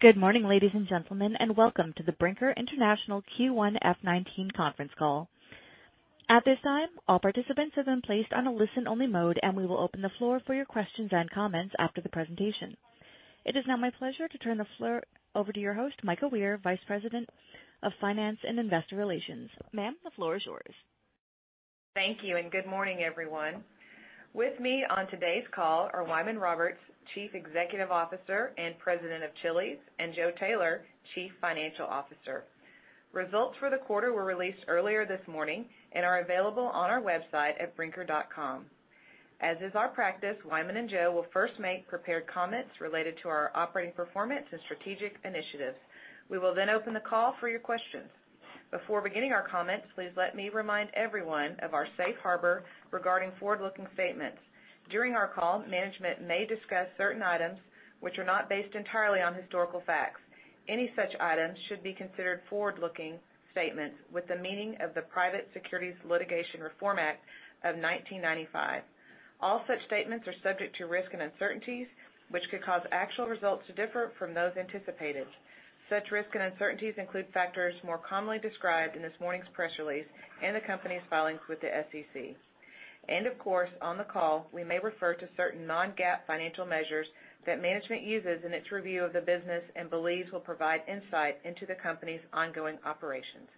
Good morning, ladies and gentlemen, and welcome to the Brinker International Q1F19 conference call. At this time, all participants have been placed on a listen-only mode. We will open the floor for your questions and comments after the presentation. It is now my pleasure to turn the floor over to your host, Mika Ware, Vice President of Finance and Investor Relations. Ma'am, the floor is yours. Thank you, and good morning, everyone. With me on today's call are Wyman Roberts, Chief Executive Officer and President of Chili's, and Joe Taylor, Chief Financial Officer. Results for the quarter were released earlier this morning and are available on our website at brinker.com. As is our practice, Wyman and Joe will first make prepared comments related to our operating performance and strategic initiatives. We will then open the call for your questions. Before beginning our comments, please let me remind everyone of our safe harbor regarding forward-looking statements. During our call, management may discuss certain items which are not based entirely on historical facts. Any such items should be considered forward-looking statements with the meaning of the Private Securities Litigation Reform Act of 1995. All such statements are subject to risk and uncertainties, which could cause actual results to differ from those anticipated. Such risk and uncertainties include factors more commonly described in this morning's press release and the company's filings with the SEC. Of course, on the call, we may refer to certain non-GAAP financial measures that management uses in its review of the business and believes will provide insight into the company's ongoing operations.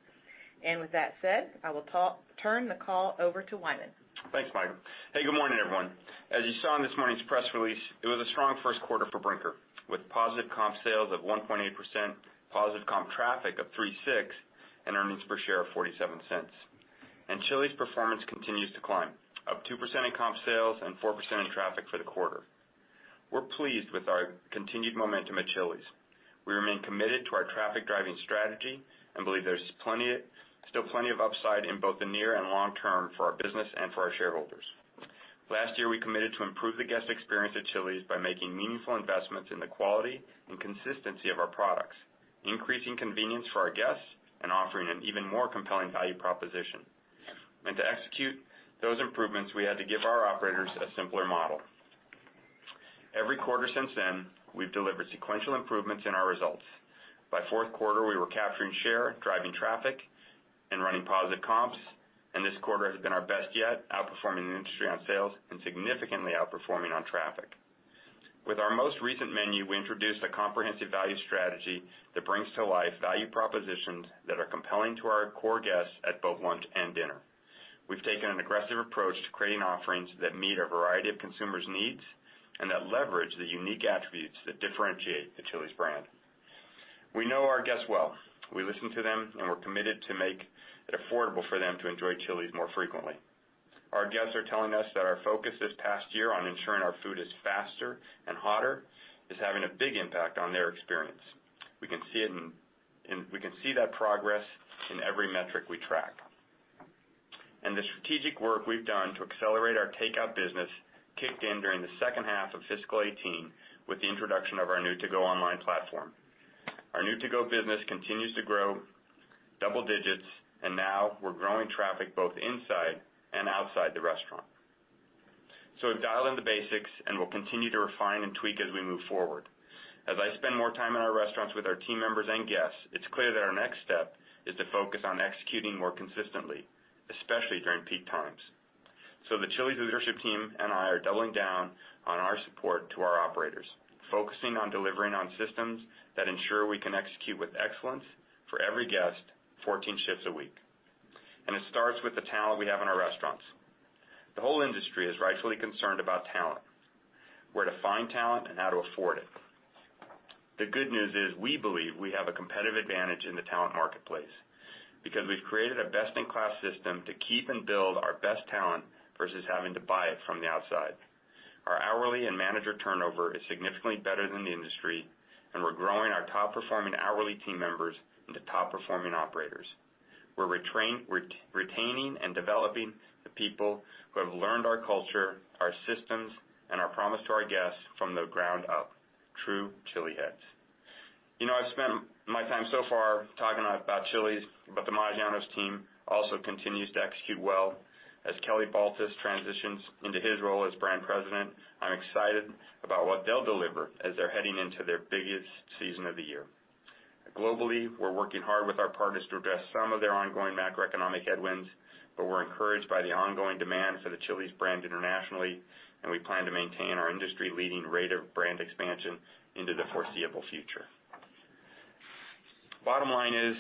With that said, I will turn the call over to Wyman. Thanks, Mika. Hey, good morning, everyone. As you saw in this morning's press release, it was a strong first quarter for Brinker, with positive comp sales of 1.8%, positive comp traffic of 3.6%, and earnings per share of $0.47. Chili's performance continues to climb, up 2% in comp sales and 4% in traffic for the quarter. We're pleased with our continued momentum at Chili's. We remain committed to our traffic-driving strategy and believe there's still plenty of upside in both the near and long term for our business and for our shareholders. Last year, we committed to improve the guest experience at Chili's by making meaningful investments in the quality and consistency of our products, increasing convenience for our guests, and offering an even more compelling value proposition. To execute those improvements, we had to give our operators a simpler model. Every quarter since then, we've delivered sequential improvements in our results. By fourth quarter, we were capturing share, driving traffic, and running positive comps. This quarter has been our best yet, outperforming the industry on sales and significantly outperforming on traffic. With our most recent menu, we introduced a comprehensive value strategy that brings to life value propositions that are compelling to our core guests at both lunch and dinner. We've taken an aggressive approach to creating offerings that meet a variety of consumers' needs and that leverage the unique attributes that differentiate the Chili's brand. We know our guests well. We listen to them, we're committed to make it affordable for them to enjoy Chili's more frequently. Our guests are telling us that our focus this past year on ensuring our food is faster and hotter is having a big impact on their experience. We can see that progress in every metric we track. The strategic work we've done to accelerate our takeout business kicked in during the second half of fiscal 2018 with the introduction of our new to-go online platform. Our new to-go business continues to grow double digits, now we're growing traffic both inside and outside the restaurant. We've dialed in the basics, we'll continue to refine and tweak as we move forward. As I spend more time in our restaurants with our team members and guests, it's clear that our next step is to focus on executing more consistently, especially during peak times. The Chili's leadership team and I are doubling down on our support to our operators, focusing on delivering on systems that ensure we can execute with excellence for every guest, 14 shifts a week. It starts with the talent we have in our restaurants. The whole industry is rightfully concerned about talent, where to find talent, and how to afford it. The good news is we believe we have a competitive advantage in the talent marketplace because we've created a best-in-class system to keep and build our best talent versus having to buy it from the outside. Our hourly and manager turnover is significantly better than the industry, we're growing our top-performing hourly team members into top-performing operators. We're retaining and developing the people who have learned our culture, our systems, and our promise to our guests from the ground up, true Chiliheads. I've spent my time so far talking about Chili's. The Maggiano's team also continues to execute well. As Kelly Baltes transitions into his role as brand president, I'm excited about what they'll deliver as they're heading into their biggest season of the year. Globally, we're working hard with our partners to address some of their ongoing macroeconomic headwinds, we're encouraged by the ongoing demand for the Chili's brand internationally, we plan to maintain our industry-leading rate of brand expansion into the foreseeable future. Bottom line is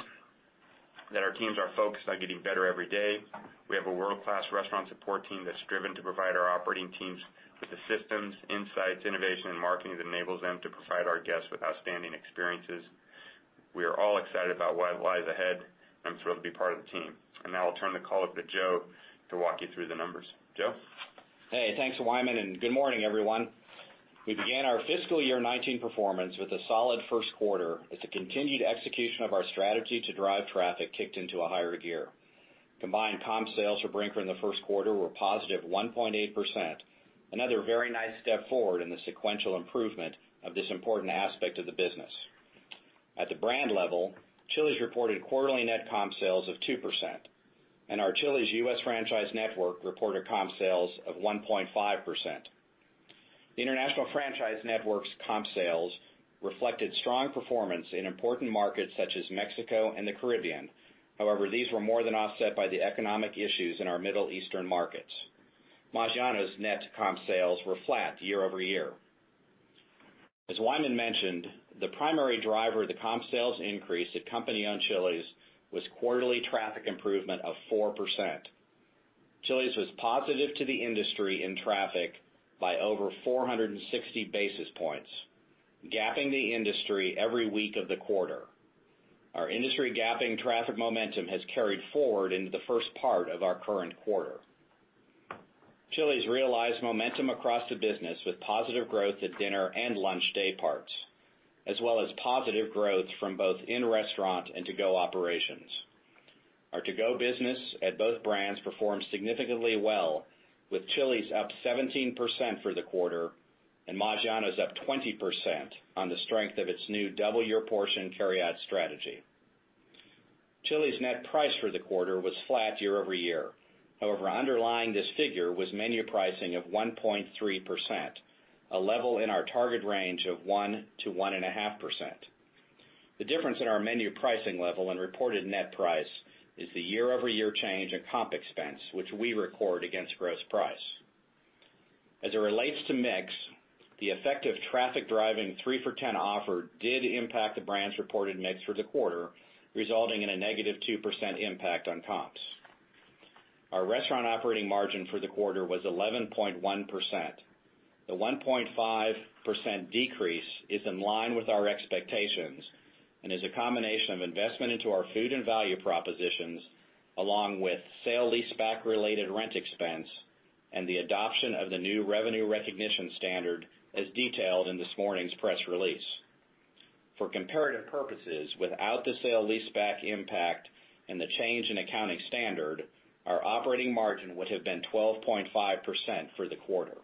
that our teams are focused on getting better every day. We have a world-class restaurant support team that's driven to provide our operating teams with the systems, insights, innovation, and marketing that enables them to provide our guests with outstanding experiences. We are all excited about what lies ahead and thrilled to be part of the team. Now I'll turn the call over to Joe to walk you through the numbers. Joe? Hey, thanks, Wyman, and good morning, everyone. We began our fiscal year 2019 performance with a solid first quarter as the continued execution of our strategy to drive traffic kicked into a higher gear. Combined comp sales for Brinker in the first quarter were a positive 1.8%, another very nice step forward in the sequential improvement of this important aspect of the business. At the brand level, Chili's reported quarterly net comp sales of 2%, and our Chili's U.S. franchise network reported comp sales of 1.5%. The international franchise network's comp sales reflected strong performance in important markets such as Mexico and the Caribbean. However, these were more than offset by the economic issues in our Middle Eastern markets. Maggiano's net comp sales were flat year-over-year. As Wyman mentioned, the primary driver of the comp sales increase at company-owned Chili's was quarterly traffic improvement of 4%. Chili's was positive to the industry in traffic by over 460 basis points, gapping the industry every week of the quarter. Our industry gapping traffic momentum has carried forward into the first part of our current quarter. Chili's realized momentum across the business with positive growth at dinner and lunch day parts, as well as positive growth from both in-restaurant and to-go operations. Our to-go business at both brands performed significantly well, with Chili's up 17% for the quarter and Maggiano's up 20% on the strength of its new Double Your Portion carryout strategy. Chili's net price for the quarter was flat year-over-year. However, underlying this figure was menu pricing of 1.3%, a level in our target range of 1%-1.5%. The difference in our menu pricing level and reported net price is the year-over-year change in comp expense, which we record against gross price. As it relates to mix, the effect of traffic-driving 3 for $10 offer did impact the brand's reported mix for the quarter, resulting in a negative 2% impact on comps. Our restaurant operating margin for the quarter was 11.1%. The 1.5% decrease is in line with our expectations and is a combination of investment into our food and value propositions, along with sale-leaseback related rent expense and the adoption of the new revenue recognition standard, as detailed in this morning's press release. For comparative purposes, without the sale-leaseback impact and the change in accounting standard, our operating margin would have been 12.5% for the quarter.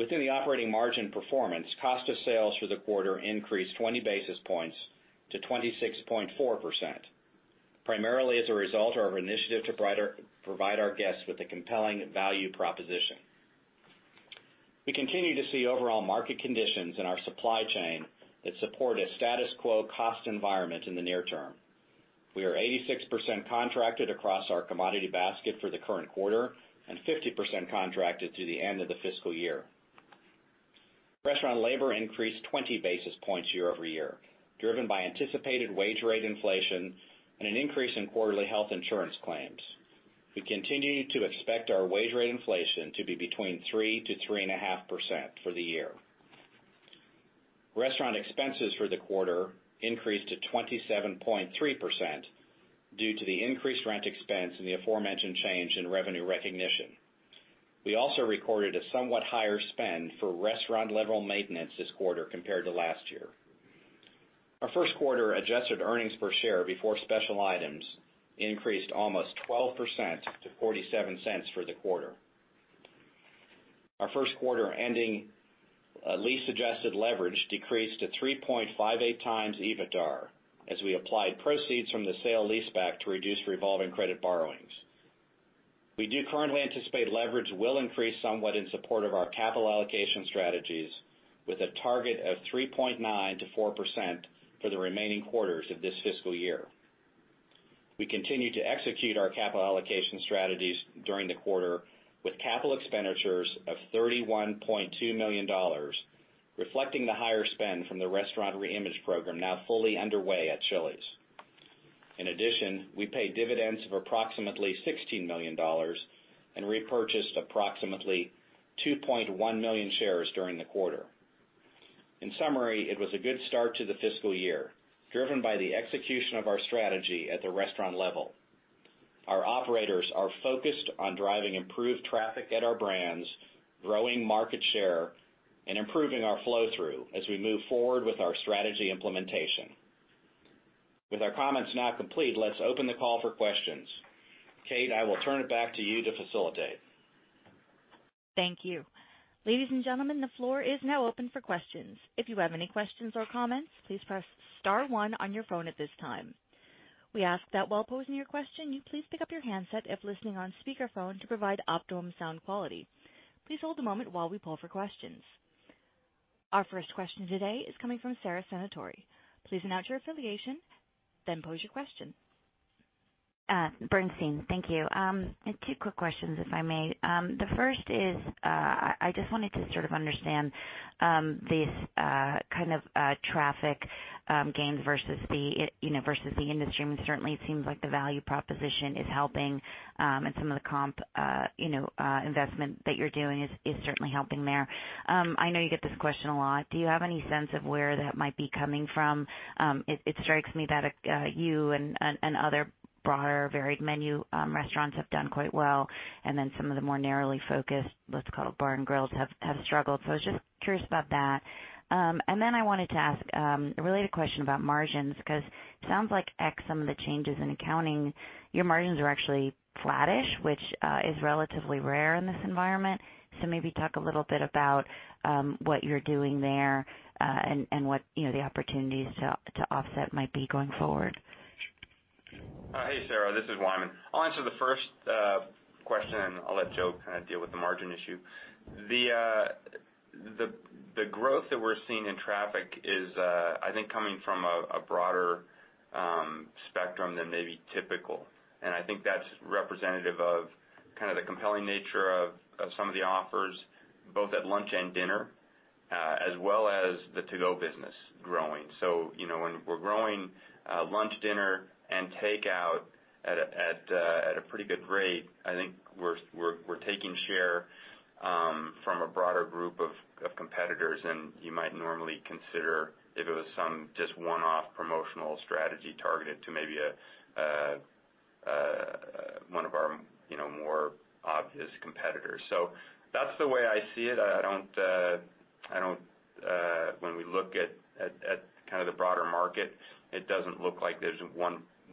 Within the operating margin performance, cost of sales for the quarter increased 20 basis points to 26.4%, primarily as a result of our initiative to provide our guests with a compelling value proposition. We continue to see overall market conditions in our supply chain that support a status quo cost environment in the near term. We are 86% contracted across our commodity basket for the current quarter and 50% contracted through the end of the fiscal year. Restaurant labor increased 20 basis points year-over-year, driven by anticipated wage rate inflation and an increase in quarterly health insurance claims. We continue to expect our wage rate inflation to be between 3%-3.5% for the year. Restaurant expenses for the quarter increased to 27.3% due to the increased rent expense and the aforementioned change in revenue recognition. We also recorded a somewhat higher spend for restaurant-level maintenance this quarter compared to last year. Our first quarter adjusted earnings per share before special items increased almost 12% to $0.47 for the quarter. Our first quarter ending lease-adjusted leverage decreased to 3.58 times EBITDAR, as we applied proceeds from the sale-leaseback to reduce revolving credit borrowings. We do currently anticipate leverage will increase somewhat in support of our capital allocation strategies with a target of 3.9%-4% for the remaining quarters of this fiscal year. We continued to execute our capital allocation strategies during the quarter with capital expenditures of $31.2 million, reflecting the higher spend from the restaurant reimage program now fully underway at Chili's. In addition, we paid dividends of approximately $16 million and repurchased approximately 2.1 million shares during the quarter. In summary, it was a good start to the fiscal year, driven by the execution of our strategy at the restaurant level. Our operators are focused on driving improved traffic at our brands, growing market share, and improving our flow-through as we move forward with our strategy implementation. With our comments now complete, let's open the call for questions. Kate, I will turn it back to you to facilitate. Thank you. Ladies and gentlemen, the floor is now open for questions. If you have any questions or comments, please press *1 on your phone at this time. We ask that while posing your question, you please pick up your handset if listening on speakerphone to provide optimum sound quality. Please hold a moment while we poll for questions. Our first question today is coming from Sara Senatore. Please announce your affiliation, then pose your question. Bernstein. Thank you. I have two quick questions, if I may. The first is, I just wanted to sort of understand these kind of traffic gains versus the industry. I mean, certainly it seems like the value proposition is helping, and some of the comp investment that you're doing is certainly helping there. I know you get this question a lot. Do you have any sense of where that might be coming from? It strikes me that you and other broader varied menu restaurants have done quite well, and then some of the more narrowly focused, let's call it bar and grills, have struggled. I was just curious about that. I wanted to ask a related question about margins, because it sounds like, ex some of the changes in accounting, your margins are actually flattish, which is relatively rare in this environment. Maybe talk a little bit about what you're doing there, and what the opportunities to offset might be going forward. Hi, Sara, this is Wyman. I'll answer the first question, and I'll let Joe deal with the margin issue. The growth that we're seeing in traffic is, I think, coming from a broader spectrum than maybe typical. I think that's representative of the compelling nature of some of the offers, both at lunch and dinner, as well as the to-go business growing. When we're growing lunch, dinner, and takeout at a pretty good rate, I think we're taking share from a broader group of competitors than you might normally consider if it was some just one-off promotional strategy targeted to maybe one of our more obvious competitors. That's the way I see it. When we look at the broader market, it doesn't look like there's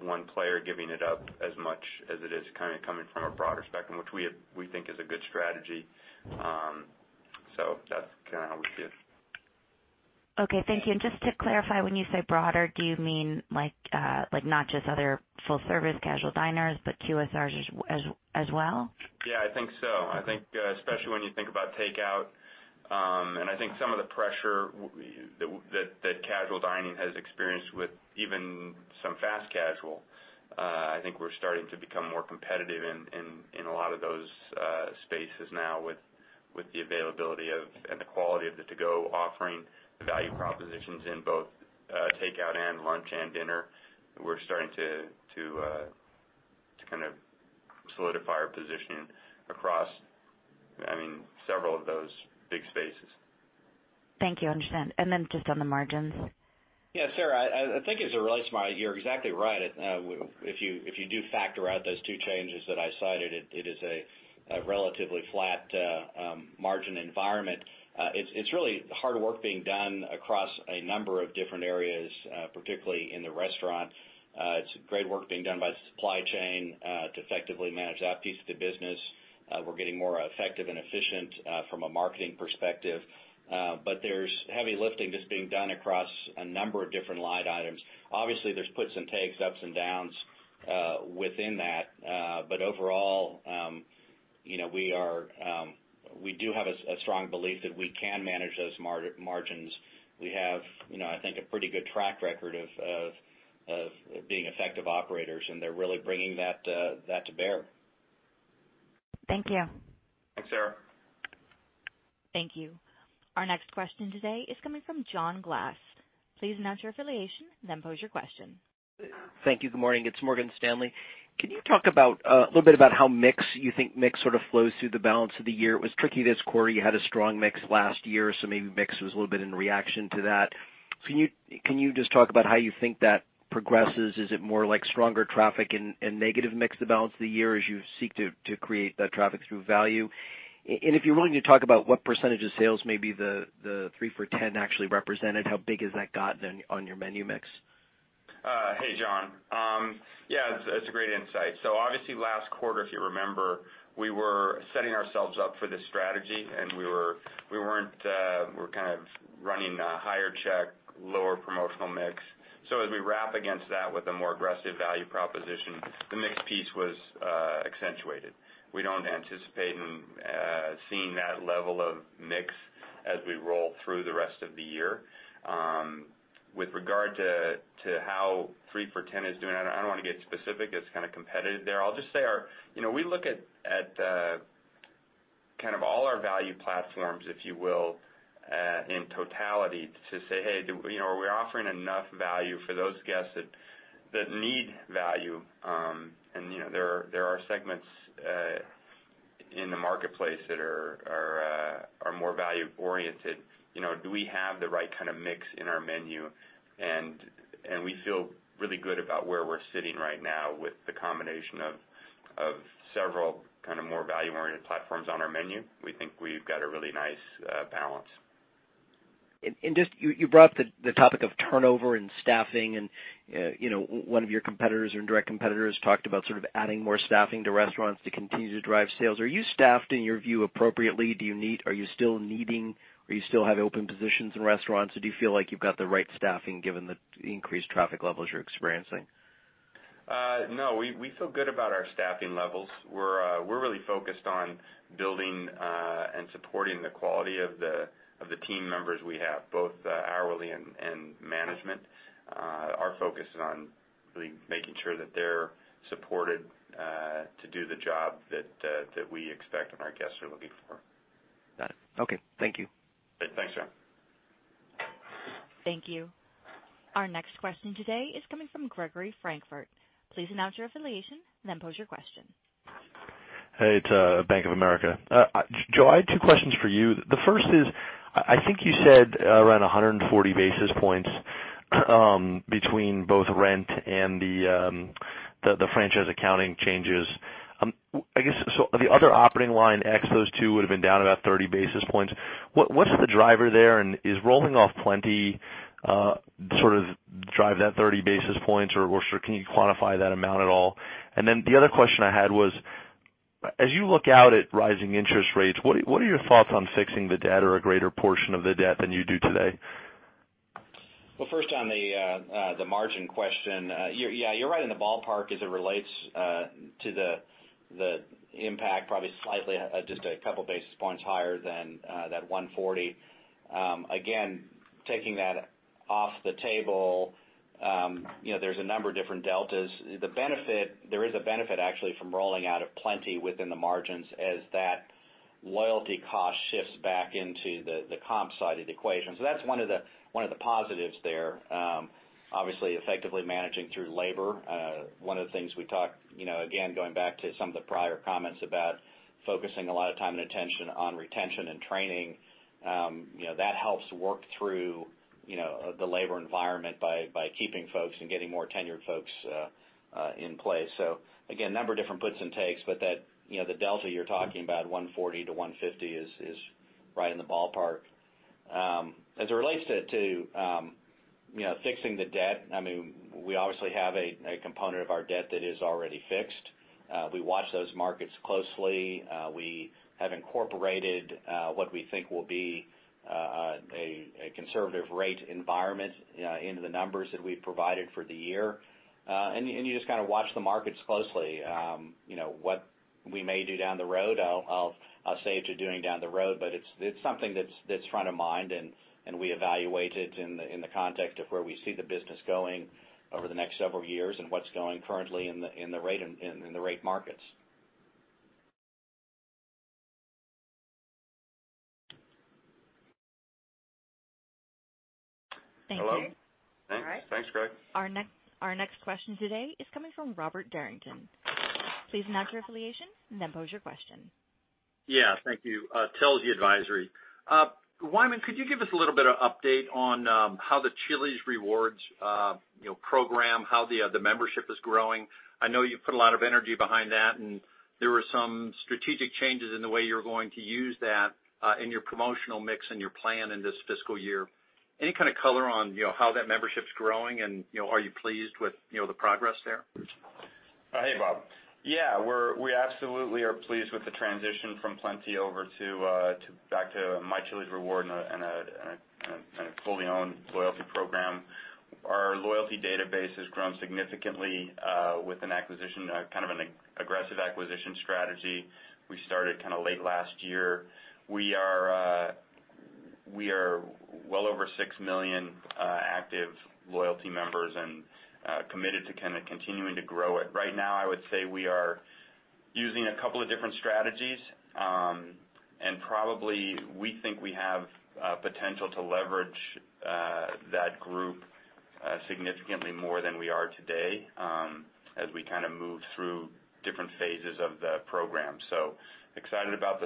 one player giving it up as much as it is coming from a broader spectrum, which we think is a good strategy. That's how we see it. Okay, thank you. Just to clarify, when you say broader, do you mean not just other full-service casual diners, but QSR as well? I think so. I think especially when you think about takeout, and I think some of the pressure that casual dining has experienced with even some fast casual, I think we're starting to become more competitive in a lot of those spaces now with the availability of and the quality of the to-go offering, the value propositions in both takeout and lunch and dinner. We're starting to solidify our position across several of those big spaces. Thank you. Understand. Just on the margins. Sara, you're exactly right. If you do factor out those two changes that I cited, it is a relatively flat margin environment. It's really hard work being done across a number of different areas, particularly in the restaurant. It's great work being done by supply chain to effectively manage that piece of the business. We're getting more effective and efficient from a marketing perspective. There's heavy lifting that's being done across a number of different line items. Obviously, there's puts and takes, ups and downs within that. Overall, we do have a strong belief that we can manage those margins. We have, I think, a pretty good track record of being effective operators, and they're really bringing that to bear. Thank you. Thanks, Sara. Thank you. Our next question today is coming from John Glass. Please announce your affiliation, and then pose your question. Thank you. Good morning. It's Morgan Stanley. Can you talk a little bit about how you think mix sort of flows through the balance of the year? It was tricky this quarter. You had a strong mix last year, maybe mix was a little bit in reaction to that. Can you just talk about how you think that progresses? Is it more like stronger traffic and negative mix the balance of the year as you seek to create that traffic through value? If you're willing to talk about what percentage of sales maybe the 3 for $10 actually represented, how big has that gotten on your menu mix? Hey, John. Yeah, that's a great insight. Obviously last quarter, if you remember, we were setting ourselves up for this strategy and we're kind of running a higher check, lower promotional mix. As we wrap against that with a more aggressive value proposition, the mix piece was accentuated. We don't anticipate seeing that level of mix as we roll through the rest of the year. With regard to how 3 for $10 is doing, I don't want to get specific. It's kind of competitive there. I'll just say we look at kind of all our value platforms, if you will, in totality to say, "Hey, are we offering enough value for those guests that need value?" There are segments in the marketplace that are more value oriented. Do we have the right kind of mix in our menu? We feel really good about where we're sitting right now with the combination of several more value-oriented platforms on our menu. We think we've got a really nice balance. Just, you brought up the topic of turnover and staffing and one of your competitors or indirect competitors talked about sort of adding more staffing to restaurants to continue to drive sales. Are you staffed, in your view, appropriately? Are you still needing, or you still have open positions in restaurants, or do you feel like you've got the right staffing given the increased traffic levels you're experiencing? No, we feel good about our staffing levels. We're really focused on building and supporting the quality of the team members we have, both hourly and management. Our focus is on really making sure that they're supported to do the job that we expect and our guests are looking for. Got it. Okay. Thank you. Thanks, John. Thank you. Our next question today is coming from Gregory Francfort. Please announce your affiliation, then pose your question. Hey, it's Bank of America. Joe, I had two questions for you. The first is, I think you said around 140 basis points between both rent and the franchise accounting changes. I guess, the other operating line ex those two would've been down about 30 basis points. What's the driver there, and is rolling off Plenti sort of drive that 30 basis points, or can you quantify that amount at all? The other question I had was, as you look out at rising interest rates, what are your thoughts on fixing the debt or a greater portion of the debt than you do today? Well, first on the margin question. Yeah, you're right in the ballpark as it relates to the impact, probably slightly just a couple basis points higher than that 140. Again, taking that off the table, there's a number of different deltas. There is a benefit actually from rolling out of Plenti within the margins as that loyalty cost shifts back into the comp side of the equation. That's one of the positives there. Obviously, effectively managing through labor. One of the things we talked, again, going back to some of the prior comments about focusing a lot of time and attention on retention and training, that helps work through the labor environment by keeping folks and getting more tenured folks in place. Again, a number of different gives and takes, but the delta you're talking about, 140-150 basis points, is right in the ballpark. As it relates to fixing the debt, we obviously have a component of our debt that is already fixed. We watch those markets closely. We have incorporated what we think will be a conservative rate environment into the numbers that we've provided for the year. You just kind of watch the markets closely. What we may do down the road, I'll save to doing down the road, but it's something that's front of mind, and we evaluate it in the context of where we see the business going over the next several years and what's going currently in the rate markets. Thank you. Hello? Thanks, Greg. Our next question today is coming from Robert Derrington. Please state your affiliation, and then pose your question. Thank you. Telsey Advisory. Wyman, could you give us a little bit of update on how the Chili's Rewards program, how the membership is growing? I know you've put a lot of energy behind that, and there were some strategic changes in the way you were going to use that in your promotional mix and your plan in this fiscal year. Any kind of color on how that membership's growing and are you pleased with the progress there? Hey, Bob. We absolutely are pleased with the transition from Plenti over back to My Chili's Rewards and a fully owned loyalty program. Our loyalty database has grown significantly with an acquisition, kind of an aggressive acquisition strategy. We started late last year. We are well over 6 million active loyalty members and committed to continuing to grow it. Right now, I would say we are using a couple of different strategies. Probably, we think we have potential to leverage that group significantly more than we are today as we move through different phases of the program. Excited about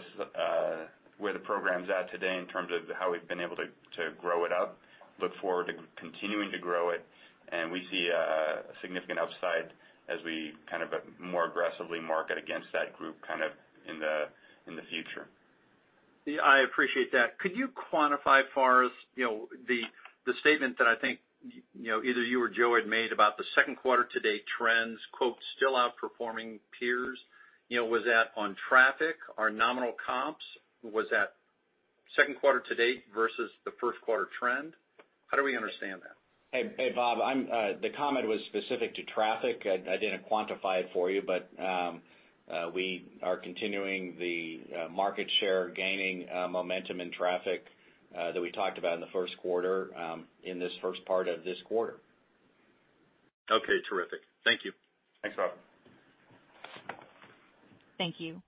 where the program's at today in terms of how we've been able to grow it up. Look forward to continuing to grow it, we see a significant upside as we more aggressively market against that group in the future. I appreciate that. Could you quantify far as the statement that I think either you or Joe had made about the second quarter to date trends, quote, "Still outperforming peers." Was that on traffic or nominal comps? Was that second quarter to date versus the first quarter trend? How do we understand that? Hey, Bob. The comment was specific to traffic. I didn't quantify it for you, we are continuing the market share gaining momentum and traffic that we talked about in the first quarter, in this first part of this quarter. Okay, terrific. Thank you. Thanks, Bob. Thank you.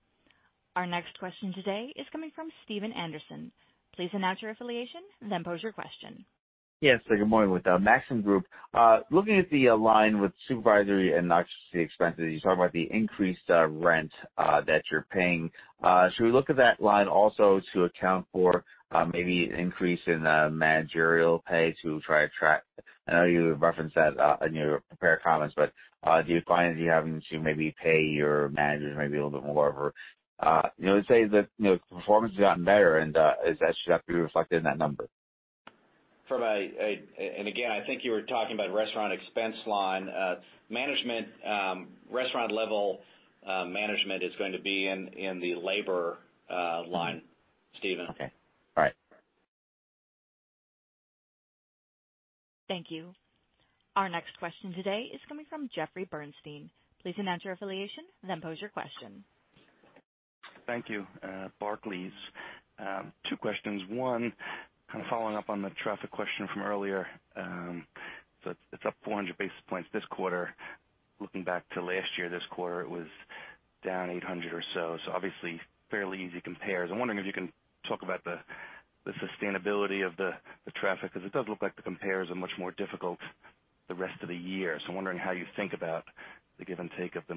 Our next question today is coming from Stephen Anderson. Please announce your affiliation, then pose your question. Yes. Good morning. With Maxim Group. Looking at the line with supervisory and occupancy expenses, you talk about the increased rent that you're paying. Should we look at that line also to account for maybe an increase in managerial pay? I know you referenced that in your prepared comments, but do you find that you're having to maybe pay your managers maybe a little bit more? Performance has gotten better, and that should have to be reflected in that number. Again, I think you were talking about restaurant expense line. Restaurant level management is going to be in the labor line, Stephen. Okay. All right. Thank you. Our next question today is coming from Jeffrey Bernstein. Please announce your affiliation, then pose your question. Thank you. Barclays. Two questions. One, kind of following up on the traffic question from earlier. It's up 400 basis points this quarter. Looking back to last year, this quarter, it was down 800 or so. Obviously fairly easy compares. I'm wondering if you can talk about the sustainability of the traffic, because it does look like the compares are much more difficult the rest of the year. I'm wondering how you think about the give and take of the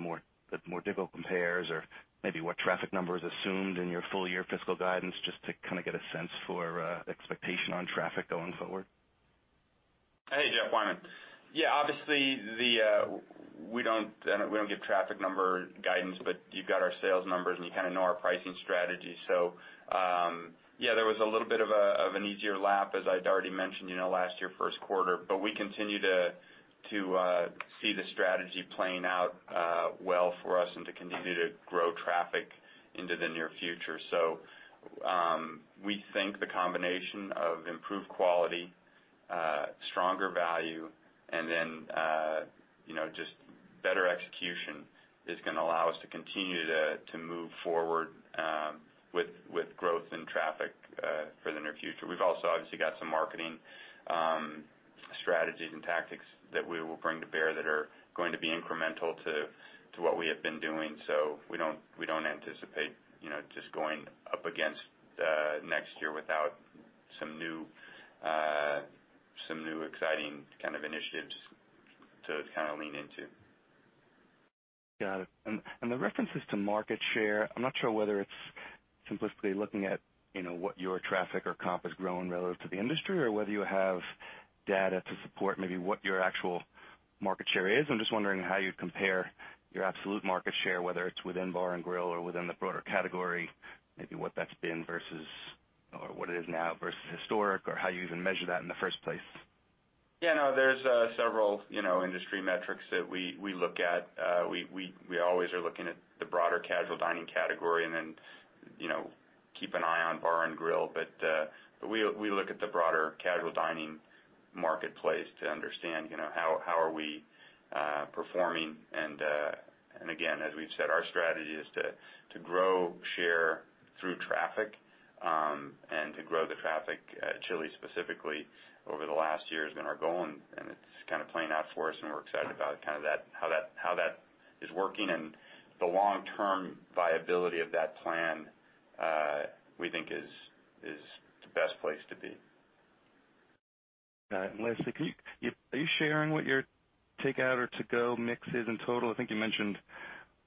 more difficult compares or maybe what traffic number is assumed in your full year fiscal guidance, just to kind of get a sense for expectation on traffic going forward. Hey, Jeff. Wyman. Obviously, we don't give traffic number guidance, but you've got our sales numbers, and you kind of know our pricing strategy. There was a little bit of an easier lap, as I'd already mentioned, last year, first quarter. We continue to see the strategy playing out well for us and to continue to grow traffic into the near future. We think the combination of improved quality, stronger value, and then just better execution is going to allow us to continue to move forward with growth in traffic for the near future. We've also, obviously, got some marketing strategies and tactics that we will bring to bear that are going to be incremental to what we have been doing. We don't anticipate just going up against next year without some new exciting kind of initiatives to lean into. Got it. The references to market share, I'm not sure whether it's simplistically looking at what your traffic or comp is growing relative to the industry or whether you have data to support maybe what your actual market share is. I'm just wondering how you'd compare your absolute market share, whether it's within bar and grill or within the broader category, maybe what that's been versus, or what it is now versus historic, or how you even measure that in the first place. There's several industry metrics that we look at. We always are looking at the broader casual dining category and then keep an eye on bar and grill. We look at the broader casual dining marketplace to understand how are we performing and, again, as we've said, our strategy is to grow share through traffic, and to grow the traffic at Chili's specifically over the last year has been our goal and it's kind of playing out for us and we're excited about how that is working and the long-term viability of that plan, we think is the best place to be. Got it. Lastly, are you sharing what your takeout or to-go mix is in total? I think you mentioned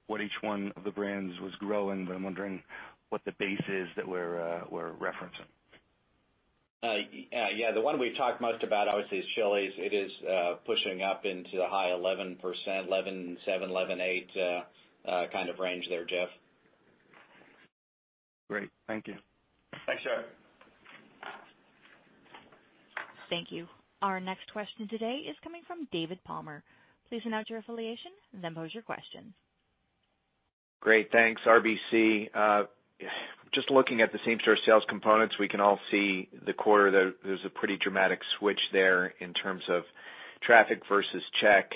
what each one of the brands was growing, but I'm wondering what the base is that we're referencing. Yeah, the one we talked most about, obviously, is Chili's. It is pushing up into the high 11%, 11.7%, 11.8% kind of range there, Jeff. Great. Thank you. Thanks, Jeff. Thank you. Our next question today is coming from David Palmer. Please announce your affiliation and then pose your question. Great. Thanks. RBC. Just looking at the same-store sales components, we can all see the quarter, there's a pretty dramatic switch there in terms of traffic versus check.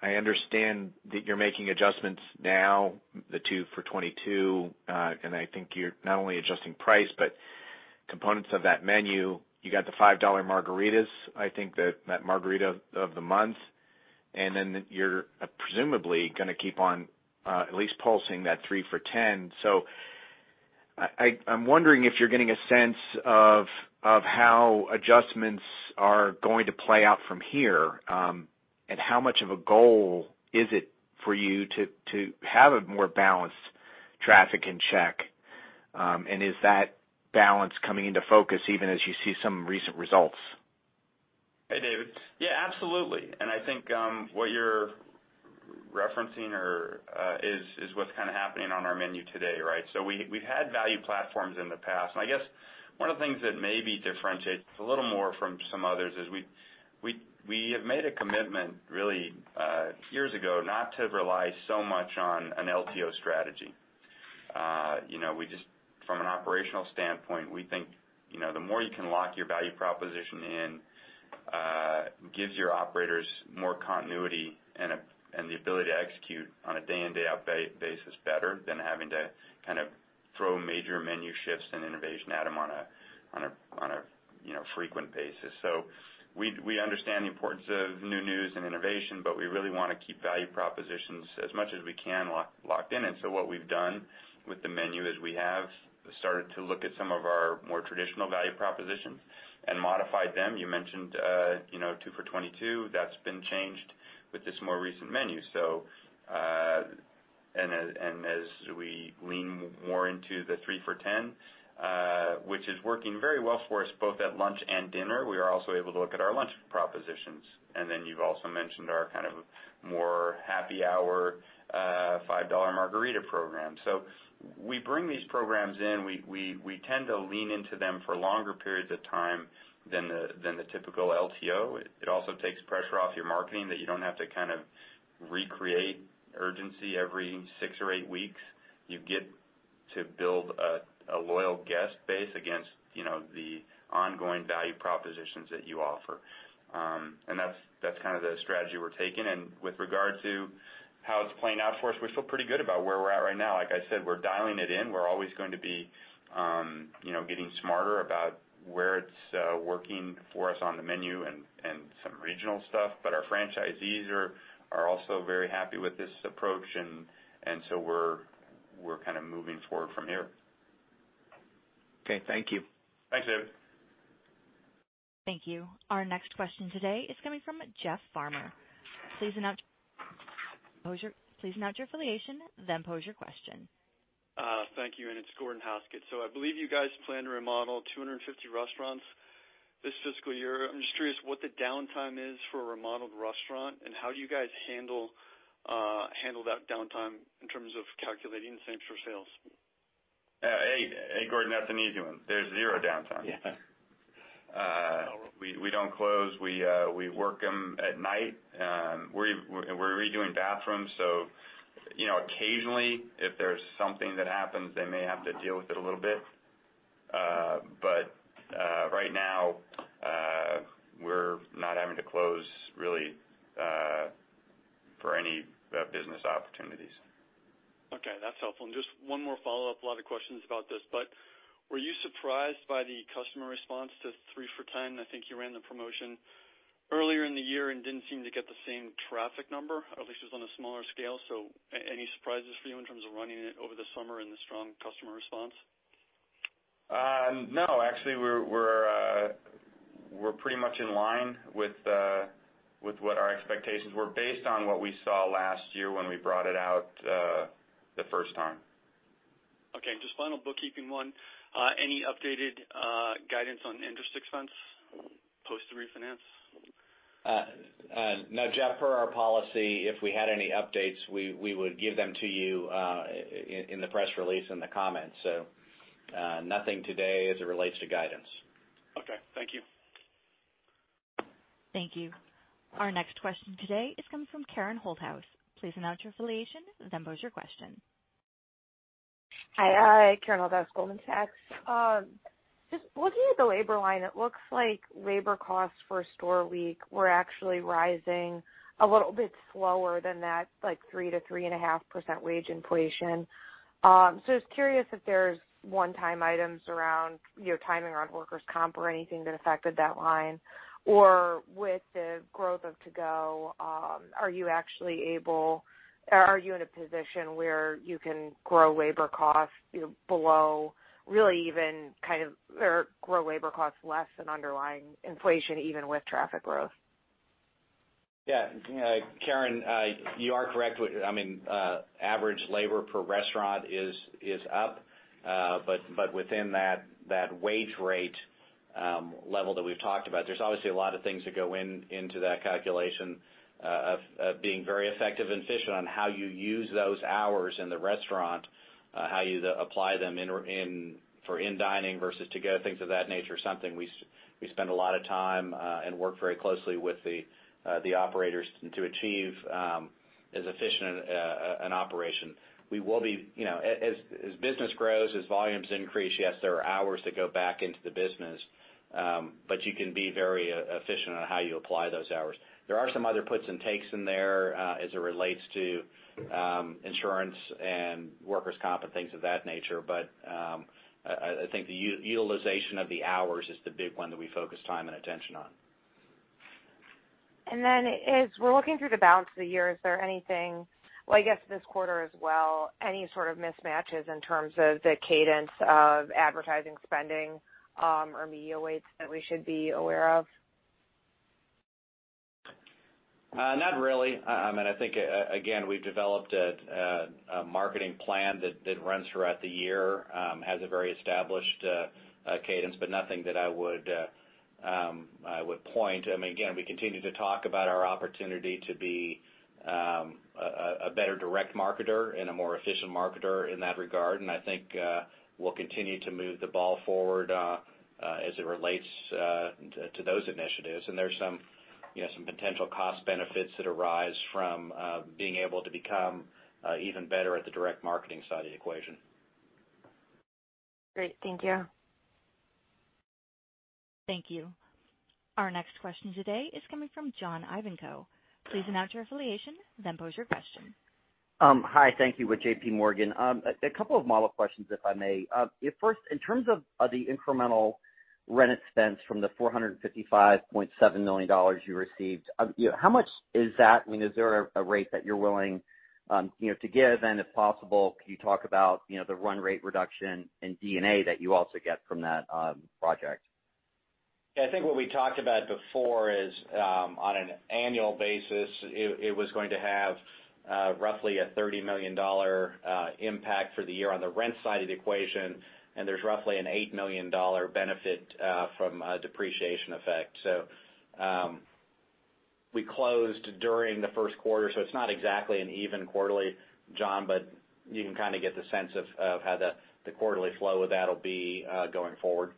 I understand that you're making adjustments now, the 2 for $22, and I think you're not only adjusting price, but components of that menu. You got the $5 margaritas, I think that Margarita of the Month, and then you're presumably going to keep on at least pulsing that 3 for $10. I'm wondering if you're getting a sense of how adjustments are going to play out from here. How much of a goal is it for you to have a more balanced traffic and check? Is that balance coming into focus even as you see some recent results? Hey, David. Yeah, absolutely. I think what you're referencing is what's kind of happening on our menu today, right? We've had value platforms in the past, and I guess one of the things that maybe differentiates a little more from some others is we have made a commitment really years ago, not to rely so much on an LTO strategy. From an operational standpoint, we think the more you can lock your value proposition in, gives your operators more continuity and the ability to execute on a day in, day out basis better than having to kind of throw major menu shifts and innovation at them on a frequent basis. We understand the importance of new news and innovation, but we really want to keep value propositions as much as we can locked in. What we've done with the menu is we have started to look at some of our more traditional value propositions and modified them. You mentioned 2 for $22, that's been changed with this more recent menu. As we lean more into the 3 for $10, which is working very well for us, both at lunch and dinner, we are also able to look at our lunch propositions. You've also mentioned our kind of more happy hour $5 margarita program. We bring these programs in. We tend to lean into them for longer periods of time than the typical LTO. It also takes pressure off your marketing that you don't have to kind of recreate urgency every six or eight weeks. You get to build a loyal guest base against the ongoing value propositions that you offer. That's kind of the strategy we're taking. With regard to how it's playing out for us, we feel pretty good about where we're at right now. Like I said, we're dialing it in. We're always going to be getting smarter about where it's working for us on the menu and some regional stuff. Our franchisees are also very happy with this approach, and so we're kind of moving forward from here. Okay, thank you. Thanks, David. Thank you. Our next question today is coming from Jeff Farmer. Please announce your affiliation then pose your question. Thank you. It's Gordon Haskett. I believe you guys plan to remodel 250 restaurants this fiscal year. I'm just curious what the downtime is for a remodeled restaurant, and how do you guys handle that downtime in terms of calculating same-store sales? Hey, Gordon, that's an easy one. There's zero downtime. Yeah. We don't close. We work them at night. We're redoing bathrooms. Occasionally, if there's something that happens, they may have to deal with it a little bit. Right now, we're not having to close really for any business opportunities. Okay, that's helpful. Just one more follow-up, a lot of questions about this, were you surprised by the customer response to 3 for $10? I think you ran the promotion earlier in the year and didn't seem to get the same traffic number. At least it was on a smaller scale. Any surprises for you in terms of running it over the summer and the strong customer response? No. Actually, we're pretty much in line with what our expectations were based on what we saw last year when we brought it out the first time. Okay. Just final bookkeeping one. Any updated guidance on interest expense post the refinance? No, Jeff, per our policy, if we had any updates, we would give them to you in the press release in the comments. Nothing today as it relates to guidance. Okay. Thank you. Thank you. Our next question today is coming from Karen Holthouse. Please announce your affiliation, then pose your question. Hi. Karen Holthouse, Goldman Sachs. Just looking at the labor line, it looks like labor costs for store week were actually rising a little bit slower than that, like 3%-3.5% wage inflation. I was curious if there's one-time items around your timing around workers' comp or anything that affected that line, or with the growth of to-go, are you in a position where you can grow labor costs below, really even grow labor costs less than underlying inflation even with traffic growth? Yeah. Karen, you are correct. Average labor per restaurant is up, but within that wage rate level that we've talked about. There's obviously a lot of things that go into that calculation of being very effective and efficient on how you use those hours in the restaurant, how you apply them for in dining versus to-go, things of that nature. Something we spend a lot of time and work very closely with the operators to achieve as efficient an operation. As business grows, as volumes increase, yes, there are hours that go back into the business, but you can be very efficient on how you apply those hours. There are some other puts and takes in there as it relates to insurance and workers' comp and things of that nature. I think the utilization of the hours is the big one that we focus time and attention on. As we're looking through the balance of the year, is there anything, well, I guess this quarter as well, any sort of mismatches in terms of the cadence of advertising spending or media weights that we should be aware of? Not really. I think, again, we've developed a marketing plan that runs throughout the year, has a very established cadence, but nothing that I would point. We continue to talk about our opportunity to be a better direct marketer and a more efficient marketer in that regard. I think we'll continue to move the ball forward as it relates to those initiatives. There's some potential cost benefits that arise from being able to become even better at the direct marketing side of the equation. Great. Thank you. Thank you. Our next question today is coming from John Ivankoe. Please announce your affiliation, then pose your question. Hi. Thank you, with JPMorgan. A couple of model questions, if I may. First, in terms of the incremental rent expense from the $455.7 million you received, how much is that? Is there a rate that you're willing to give? If possible, can you talk about the run rate reduction in D&A that you also get from that project? Yeah, I think what we talked about before is, on an annual basis, it was going to have roughly a $30 million impact for the year on the rent side of the equation, and there's roughly an $8 million benefit from a depreciation effect. We closed during the first quarter, so it's not exactly an even quarterly, John, but you can kind of get the sense of how the quarterly flow of that'll be going forward.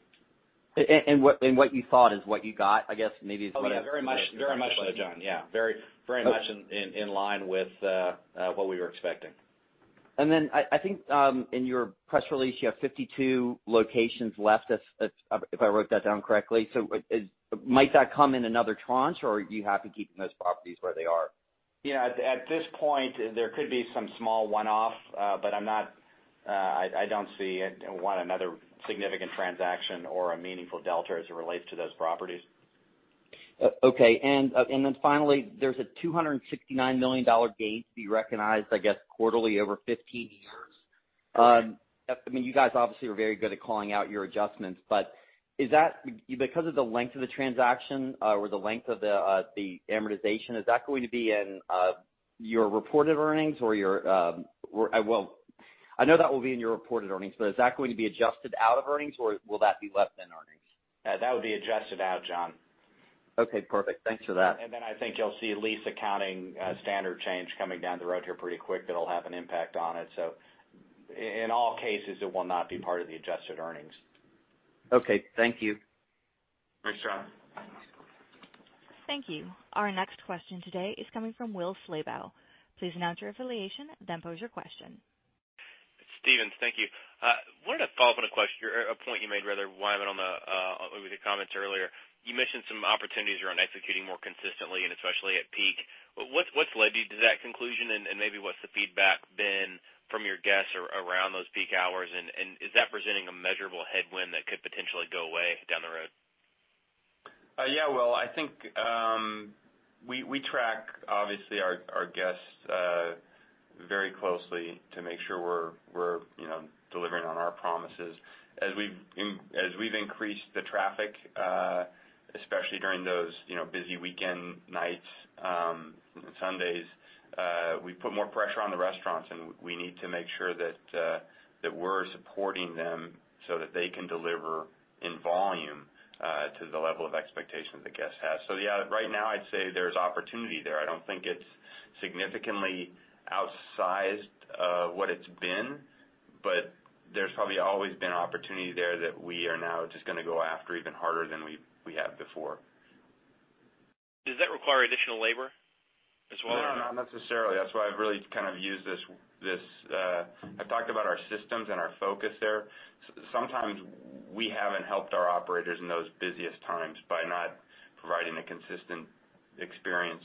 What you thought is what you got, I guess maybe. Oh, yeah, very much so, John. Yeah. Very much in line with what we were expecting. I think in your press release, you have 52 locations left, if I wrote that down correctly. Might that come in another tranche, or are you happy keeping those properties where they are? At this point, there could be some small one-off, I don't see or want another significant transaction or a meaningful delta as it relates to those properties. Finally, there's a $269 million gain to be recognized, I guess, quarterly over 15 years. You guys obviously are very good at calling out your adjustments, because of the length of the transaction or the length of the amortization, is that going to be in your reported earnings? I know that will be in your reported earnings, is that going to be adjusted out of earnings, or will that be less than earnings? That would be adjusted out, John. Okay, perfect. Thanks for that. I think you'll see a lease accounting standard change coming down the road here pretty quick that'll have an impact on it. In all cases, it will not be part of the adjusted earnings. Okay. Thank you. Thanks, John. Thank you. Our next question today is coming from Will Slabaugh. Please announce your affiliation, then pose your question. Stephens, thank you. I wanted to follow up on a question or a point you made, rather, Wyman, on the comments earlier. You mentioned some opportunities around executing more consistently and especially at peak. What has led you to that conclusion, and maybe what is the feedback been from your guests around those peak hours, and is that presenting a measurable headwind that could potentially go away down the road? Yeah, Will, I think we track, obviously, our guests very closely to make sure we are delivering on our promises. As we have increased the traffic, especially during those busy weekend nights and Sundays, we put more pressure on the restaurants, and we need to make sure that we are supporting them so that they can deliver in volume to the level of expectation that guests have. Yeah, right now I would say there is opportunity there. I do not think it is significantly outsized what it has been, but there is probably always been opportunity there that we are now just going to go after even harder than we have before. Does that require additional labor as well? No, not necessarily. That's why I've really kind of talked about our systems and our focus there. Sometimes we haven't helped our operators in those busiest times by not providing a consistent experience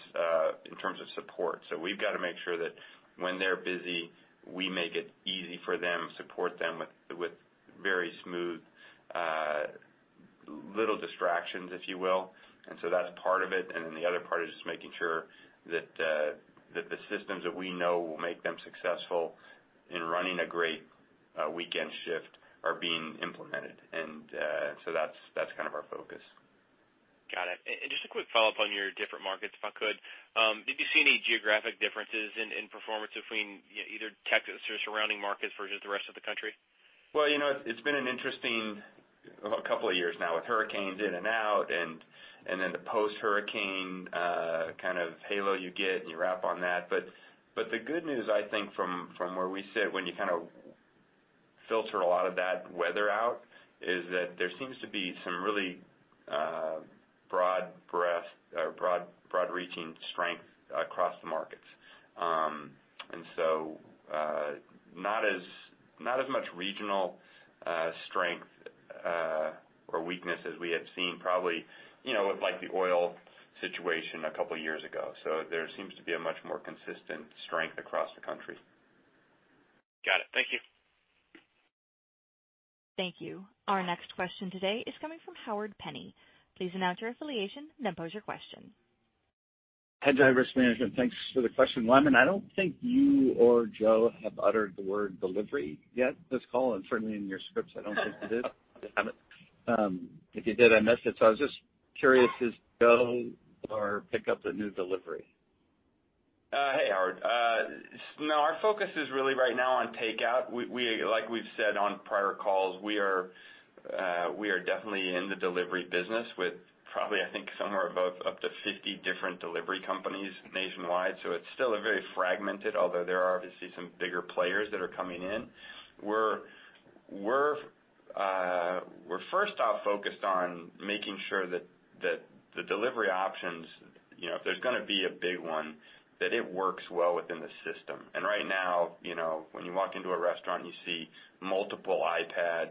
in terms of support. We've got to make sure that when they're busy, we make it easy for them, support them with very smooth little distractions, if you will. That's part of it. The other part is just making sure that the systems that we know will make them successful in running a great weekend shift are being implemented. That's kind of our focus. Got it. Just a quick follow-up on your different markets, if I could. Did you see any geographic differences in performance between either Texas or surrounding markets versus the rest of the country? It's been an interesting couple of years now with hurricanes in and out and then the post-hurricane kind of halo you get, and you wrap on that. The good news, I think from where we sit, when you kind of filter a lot of that weather out, is that there seems to be some really broad reaching strength across the markets. Not as much regional strength or weakness as we had seen probably with the oil situation a couple of years ago. There seems to be a much more consistent strength across the country. Got it. Thank you. Thank you. Our next question today is coming from Howard Penney. Please announce your affiliation, then pose your question. Hedgeye Risk Management. Thanks for the question. Wyman, I don't think you or Joe have uttered the word delivery yet this call, and certainly in your scripts, I don't think you did. We haven't. If you did, I missed it. I was just curious, is To Go or pick up the new delivery? Hey, Howard. No, our focus is really right now on takeout. Like we've said on prior calls, we are definitely in the delivery business with probably, I think, somewhere above up to 50 different delivery companies nationwide. It's still very fragmented, although there are obviously some bigger players that are coming in. We're first off focused on making sure that the delivery options, if there's going to be a big one, that it works well within the system. Right now, when you walk into a restaurant, and you see multiple iPad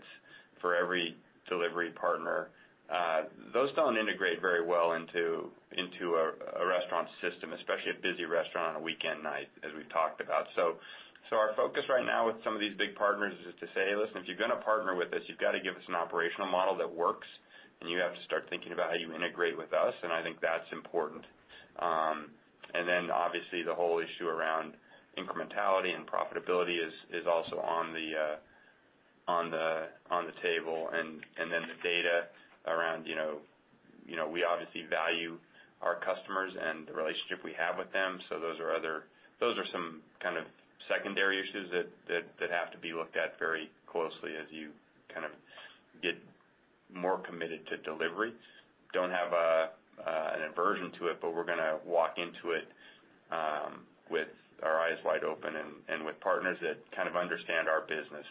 for every delivery partner. Those don't integrate very well into a restaurant system, especially a busy restaurant on a weekend night, as we've talked about. Our focus right now with some of these big partners is to say, "Hey, listen, if you're going to partner with us, you've got to give us an operational model that works, and you have to start thinking about how you integrate with us." I think that's important. Obviously the whole issue around incrementality and profitability is also on the table. The data around, we obviously value our customers and the relationship we have with them. Those are some kind of secondary issues that have to be looked at very closely as you kind of get more committed to delivery. Don't have an aversion to it, but we're going to walk into it with our eyes wide open and with partners that kind of understand our business.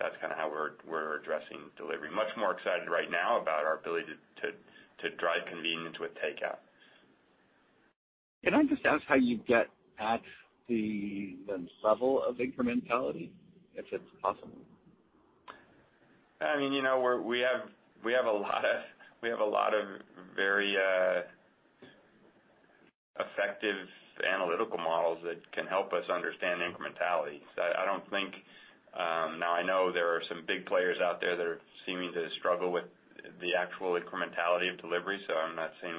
That's kind of how we're addressing delivery. Much more excited right now about our ability to drive convenience with takeout. Can I just ask how you get at the level of incrementality, if it's possible? We have a lot of very effective analytical models that can help us understand incrementality. Now, I know there are some big players out there that are seeming to struggle with the actual incrementality of delivery. I'm not saying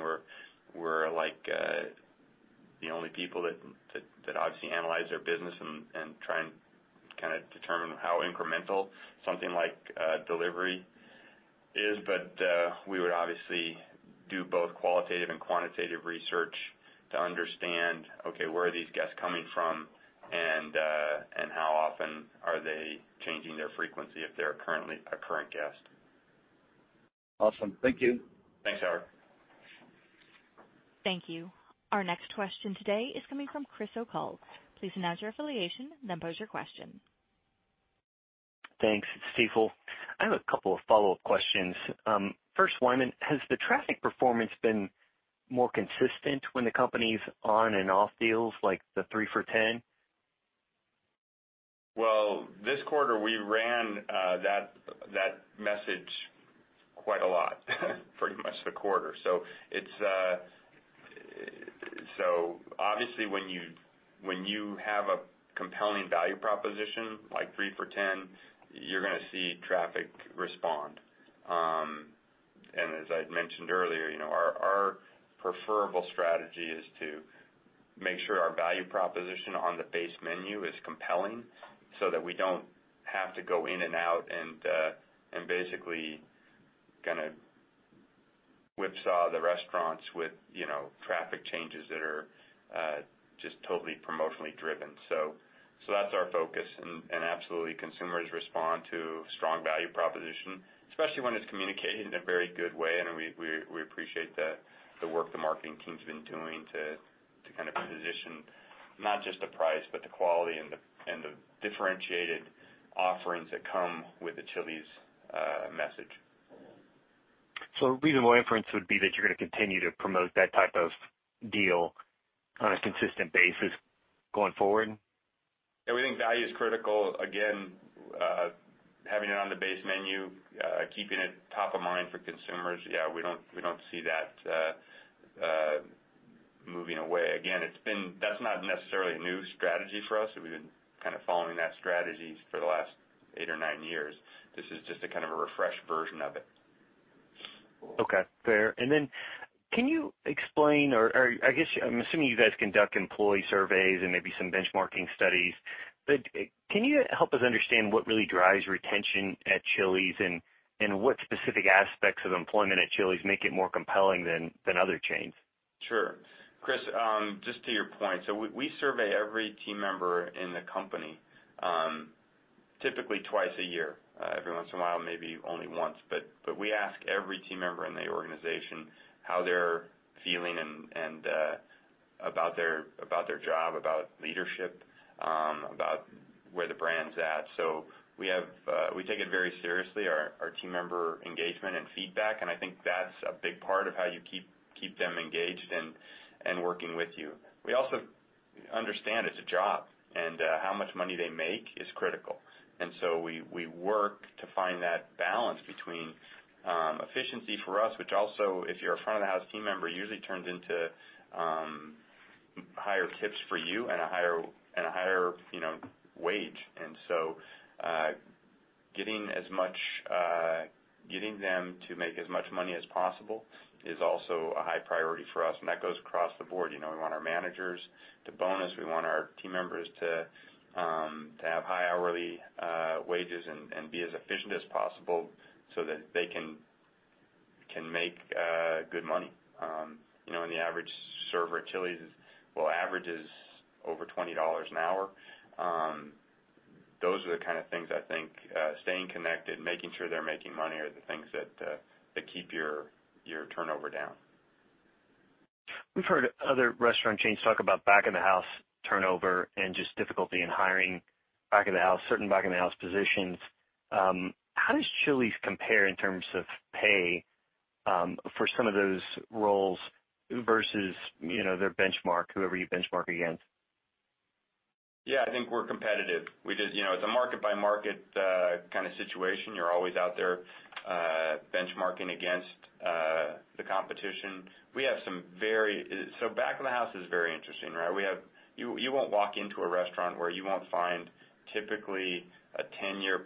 we're the only people that obviously analyze their business and try and determine how incremental something like delivery is. We would obviously do both qualitative and quantitative research to understand, okay, where are these guests coming from, and how often are they changing their frequency if they're a current guest. Awesome. Thank you. Thanks, Howard. Thank you. Our next question today is coming from Chris O'Cull. Please announce your affiliation, then pose your question. Thanks. It's Stifel. I have a couple of follow-up questions. First, Wyman, has the traffic performance been more consistent when the company's on and off deals like the 3 for $10? Well, this quarter we ran that message quite a lot pretty much the quarter. Obviously when you have a compelling value proposition like 3 for $10, you're going to see traffic respond. As I'd mentioned earlier, our preferable strategy is to make sure our value proposition on the base menu is compelling so that we don't have to go in and out and basically whipsaw the restaurants with traffic changes that are just totally promotionally driven. That's our focus. Absolutely, consumers respond to strong value proposition, especially when it's communicated in a very good way. We appreciate the work the marketing team's been doing to position not just the price, but the quality and the differentiated offerings that come with the Chili's message. Reasonable inference would be that you're going to continue to promote that type of deal on a consistent basis going forward? Yeah, we think value is critical. Again, having it on the base menu, keeping it top of mind for consumers. Yeah, we don't see that moving away. Again, that's not necessarily a new strategy for us. We've been following that strategy for the last eight or nine years. This is just a kind of a refreshed version of it. Okay, fair. Can you explain, or I guess I'm assuming you guys conduct employee surveys and maybe some benchmarking studies, but can you help us understand what really drives retention at Chili's and what specific aspects of employment at Chili's make it more compelling than other chains? Sure. Chris, just to your point, we survey every team member in the company, typically twice a year. Every once in a while, maybe only once. We ask every team member in the organization how they're feeling and about their job, about leadership, about where the brand's at. We take it very seriously, our team member engagement and feedback. I think that's a big part of how you keep them engaged and working with you. We also understand it's a job, how much money they make is critical. We work to find that balance between efficiency for us, which also, if you're a front of the house team member, usually turns into higher tips for you and a higher wage. Getting them to make as much money as possible is also a high priority for us, that goes across the board. We want our managers to bonus. We want our team members to have high hourly wages and be as efficient as possible so that they can make good money. The average server at Chili's averages over $20 an hour. Those are the kind of things, I think, staying connected, making sure they're making money are the things that keep your turnover down. We've heard other restaurant chains talk about back of the house turnover and just difficulty in hiring back of the house, certain back of the house positions. How does Chili's compare in terms of pay for some of those roles versus their benchmark, whoever you benchmark against? I think we're competitive. It's a market-by-market kind of situation. You're always out there benchmarking against the competition. Back of the house is very interesting, right? You won't walk into a restaurant where you won't find typically a 10-year+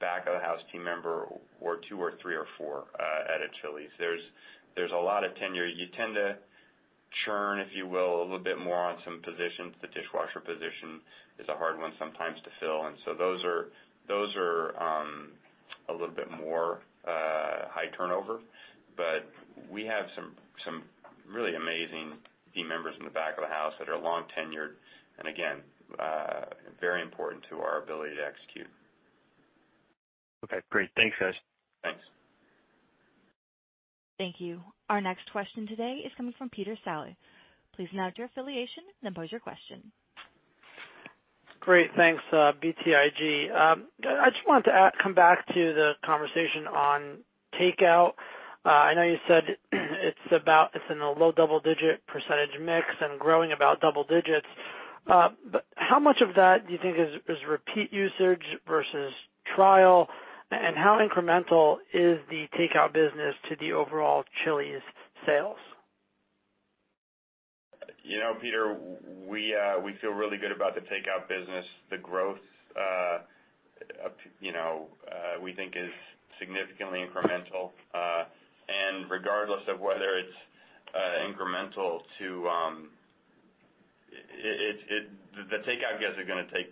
back of the house team member or two or three or four at a Chili's. There's a lot of tenure. You tend to churn, if you will, a little bit more on some positions. The dishwasher position is a hard one sometimes to fill, those are a little bit more high turnover. We have some really amazing team members in the back of the house that are long tenured, and again, very important to our ability to execute. Great. Thanks, guys. Thanks. Thank you. Our next question today is coming from Peter Saleh. Please announce your affiliation, then pose your question. Great. Thanks. BTIG. I just wanted to come back to the conversation on takeout. I know you said it's in a low double-digit % mix and growing about double digits. How much of that do you think is repeat usage versus trial? How incremental is the takeout business to the overall Chili's sales? Peter, we feel really good about the takeout business. The growth we think is significantly incremental. Regardless of whether it's incremental, the takeout guys are going to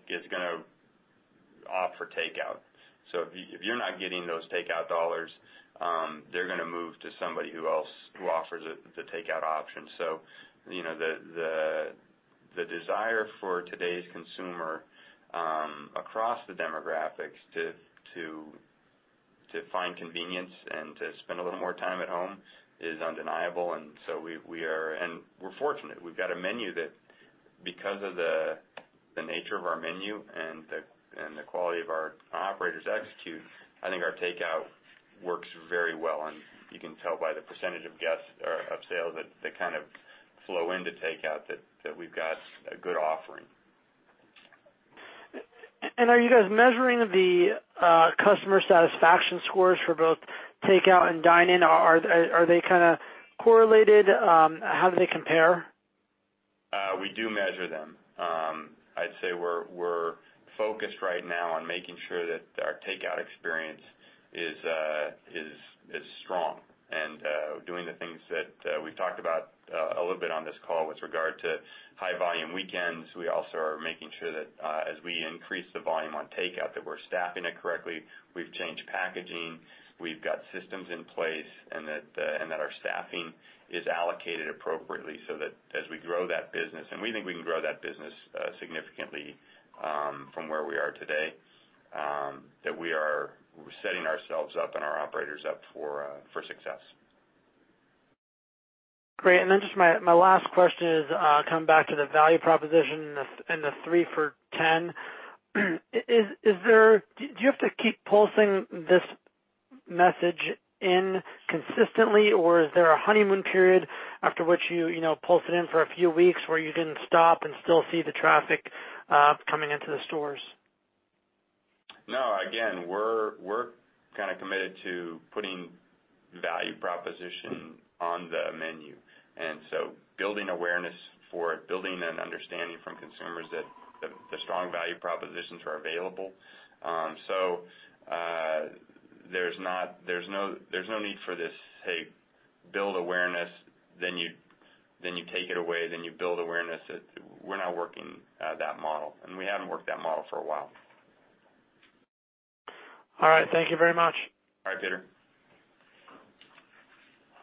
opt for takeout. If you're not getting those takeout dollars, they're going to move to somebody who offers the takeout option. The desire for today's consumer across the demographics to find convenience and to spend a little more time at home is undeniable. We're fortunate. We've got a menu that, because of the nature of our menu and the quality of our operators' execute, I think our takeout works very well, and you can tell by the percentage of sales that kind of flow into takeout that we've got a good offering. Are you guys measuring the customer satisfaction scores for both takeout and dine-in? Are they kind of correlated? How do they compare? We do measure them. I'd say we're focused right now on making sure that our takeout experience is strong and doing the things that we've talked about a little bit on this call with regard to high-volume weekends. We also are making sure that as we increase the volume on takeout, that we're staffing it correctly. We've changed packaging. We've got systems in place, and that our staffing is allocated appropriately, so that as we grow that business, and we think we can grow that business significantly from where we are today, that we are setting ourselves up and our operators up for success. Great. Then just my last question is coming back to the value proposition and the 3 for $10. Do you have to keep pulsing this message in consistently, or is there a honeymoon period after which you pulse it in for a few weeks, where you can stop and still see the traffic coming into the stores? No. We're kind of committed to putting value proposition on the menu, and so building awareness for it, building an understanding from consumers that the strong value propositions are available. There's no need for this, hey, build awareness, then you take it away, then you build awareness. We're not working that model, and we haven't worked that model for a while. All right. Thank you very much. All right, Peter.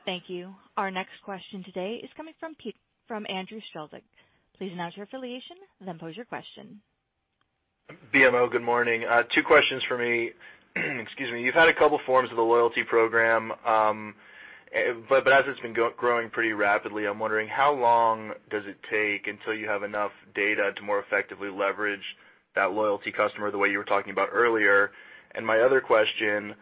Thank you. Our next question today is coming from Andrew Strelzik. Please announce your affiliation, then pose your question. BMO, good morning. Two questions for me. Excuse me. You've had a couple forms of the loyalty program. As it's been growing pretty rapidly, I'm wondering how long does it take until you have enough data to more effectively leverage that loyalty customer the way you were talking about earlier? My other question,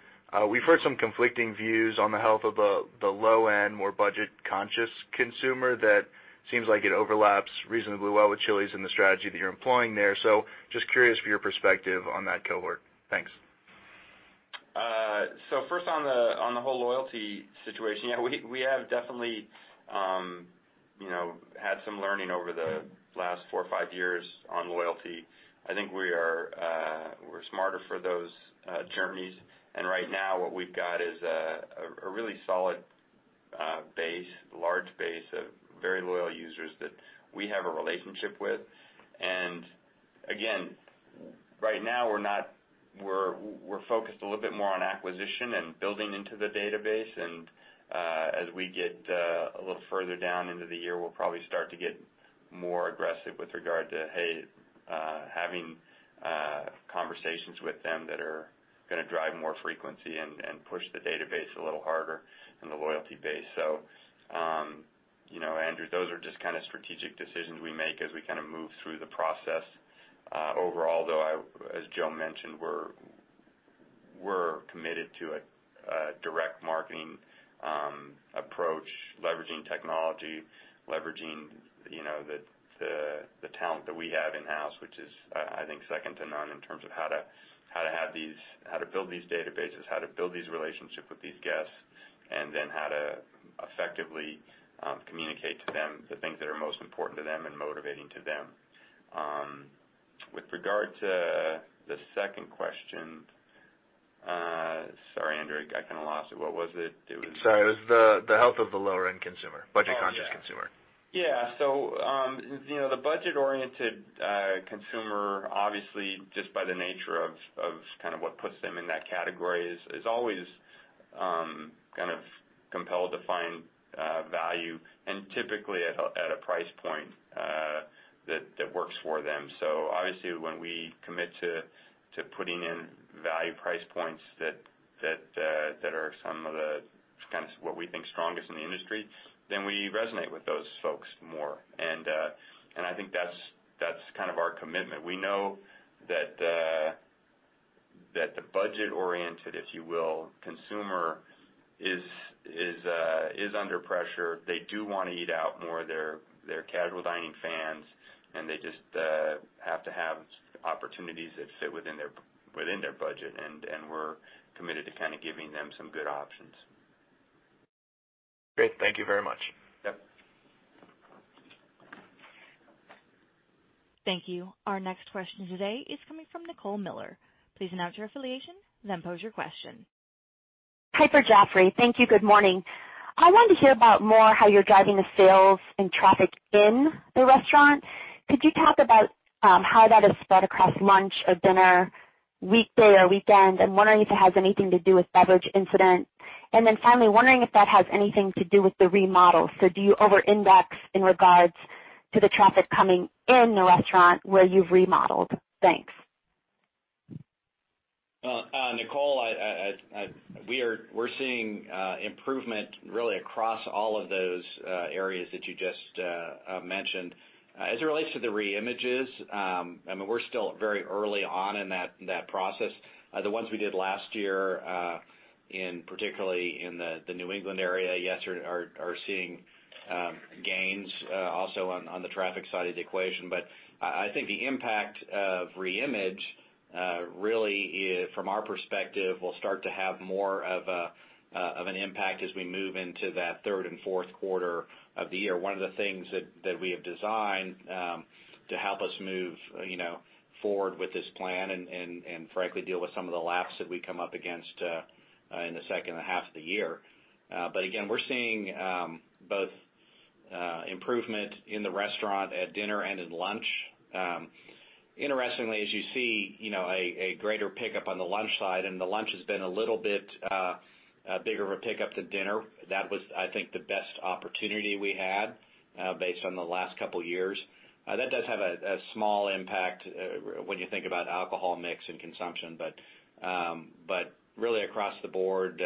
we've heard some conflicting views on the health of the low end, more budget-conscious consumer that seems like it overlaps reasonably well with Chili's and the strategy that you're employing there. Just curious for your perspective on that cohort. Thanks. First on the whole loyalty situation, yeah, we have definitely had some learning over the last four or five years on loyalty. I think we're smarter for those journeys, and right now what we've got is a really solid base, large base of very loyal users that we have a relationship with. Again, right now we're focused a little bit more on acquisition and building into the database. As we get a little further down into the year, we'll probably start to get more aggressive with regard to, hey, having conversations with them that are going to drive more frequency and push the database a little harder and the loyalty base. Andrew, those are just kind of strategic decisions we make as we kind of move through the process. Overall, though, as Joe mentioned, we're committed to a direct marketing approach, leveraging technology, leveraging the talent that we have in-house, which is I think second to none in terms of how to build these databases, how to build these relationships with these guests, and then how to effectively communicate to them the things that are most important to them and motivating to them. With regard to the second question. Sorry, Andrew, I kind of lost it. What was it? Sorry. It was the health of the lower-end consumer. Oh, yeah. budget-conscious consumer. Yeah. The budget-oriented consumer, obviously, just by the nature of kind of what puts them in that category, is always kind of compelled to find value and typically at a price point that works for them. Obviously when we commit to putting in value price points that are some of the, kind of what we think, strongest in the industry, then we resonate with those folks more. I think that's kind of our commitment. We know that the budget-oriented, if you will, consumer is under pressure. They do want to eat out more. They're casual dining fans, and they just have to have opportunities that fit within their budget, and we're committed to kind of giving them some good options. Great. Thank you very much. Yep. Thank you. Our next question today is coming from Nicole Miller. Please announce your affiliation, then pose your question. Piper Jaffray. Thank you. Good morning. I wanted to hear about more how you're driving the sales and traffic in the restaurant. Could you talk about how that is spread across lunch or dinner, weekday or weekend? I'm wondering if it has anything to do with beverage incident. Then finally, wondering if that has anything to do with the remodel. Do you over-index in regards to the traffic coming in the restaurant where you've remodeled? Thanks. Nicole, we're seeing improvement really across all of those areas that you just mentioned. As it relates to the re-images, we're still very early on in that process. The ones we did last year, particularly in the New England area, yes, are seeing gains also on the traffic side of the equation. I think the impact of re-image, really, from our perspective, will start to have more of an impact as we move into that third and fourth quarter of the year. One of the things that we have designed to help us move forward with this plan and frankly, deal with some of the laps that we come up against in the second half of the year. Again, we're seeing both improvement in the restaurant at dinner and in lunch. Interestingly, as you see, a greater pickup on the lunch side, the lunch has been a little bit bigger of a pickup than dinner. That was, I think, the best opportunity we had based on the last couple of years. That does have a small impact when you think about alcohol mix and consumption. Really across the board,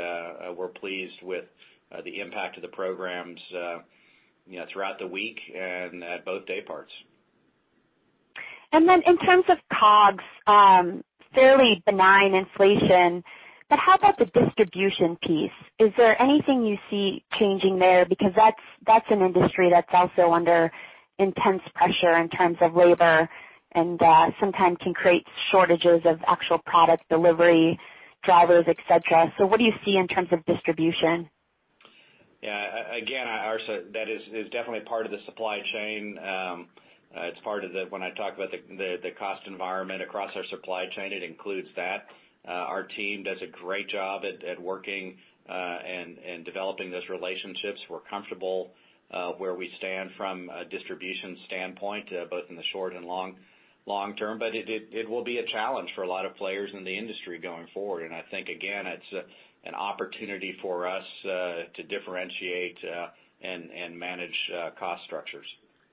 we're pleased with the impact of the programs throughout the week and at both day parts. In terms of COGS, fairly benign inflation, how about the distribution piece? Is there anything you see changing there? Because that's an industry that's also under intense pressure in terms of labor and sometimes can create shortages of actual product delivery, drivers, et cetera. What do you see in terms of distribution? That is definitely part of the supply chain. When I talk about the cost environment across our supply chain, it includes that. Our team does a great job at working and developing those relationships. We're comfortable where we stand from a distribution standpoint, both in the short and long term. It will be a challenge for a lot of players in the industry going forward. I think, again, it's an opportunity for us to differentiate and manage cost structures.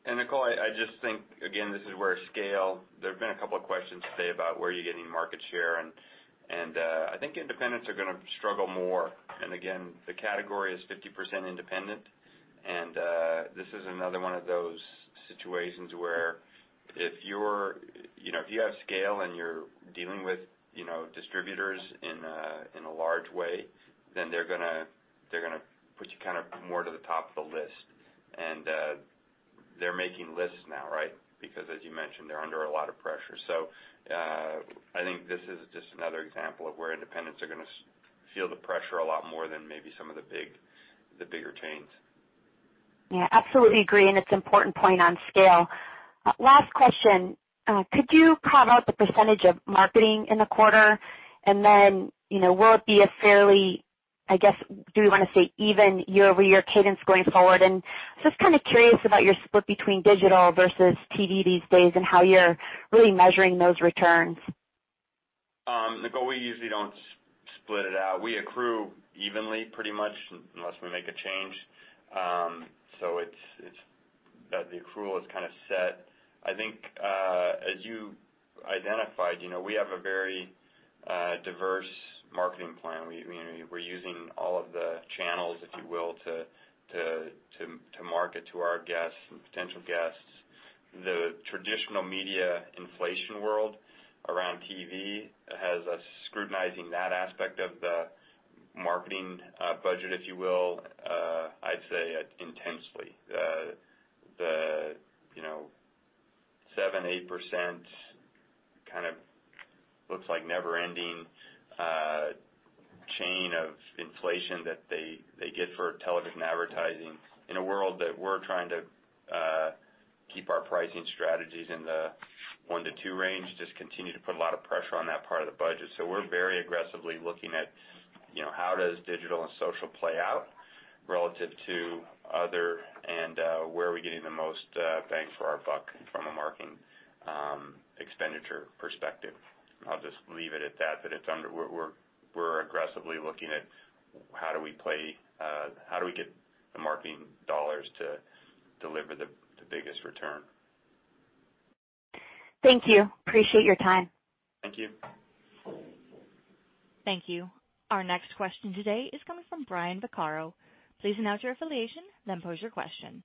Nicole, I just think, again, this is where scale, there have been a couple of questions today about where are you getting market share, I think independents are going to struggle more. Again, the category is 50% independent, this is another one of those situations where if you have scale and you're dealing with distributors in a large way, they're going to put you more to the top of the list. They're making lists now, right? Because as you mentioned, they're under a lot of pressure. I think this is just another example of where independents are going to feel the pressure a lot more than maybe some of the bigger chains. Absolutely agree, it's an important point on scale. Last question. Could you call out the percentage of marketing in the quarter? Will it be a fairly, I guess, do we want to say even year-over-year cadence going forward? Just curious about your split between digital versus TV these days and how you're really measuring those returns. Nicole, we usually don't split it out. We accrue evenly pretty much unless we make a change. The accrual is set. I think, as you identified, we have a very diverse marketing plan. We're using all of the channels, if you will, to market to our guests and potential guests. The traditional media inflation world around TV has us scrutinizing that aspect of the marketing budget, if you will, I'd say intensely. The 7%-8% looks like never-ending chain of inflation that they get for television advertising in a world that we're trying to keep our pricing strategies in the one to two range continue to put a lot of pressure on that part of the budget. We're very aggressively looking at how does digital and social play out relative to other, and where are we getting the most bang for our buck from a marketing expenditure perspective. I'll just leave it at that, we're aggressively looking at how do we get the marketing dollars to deliver the biggest return. Thank you. Appreciate your time. Thank you. Thank you. Our next question today is coming from Brian Vaccaro. Please announce your affiliation, then pose your question.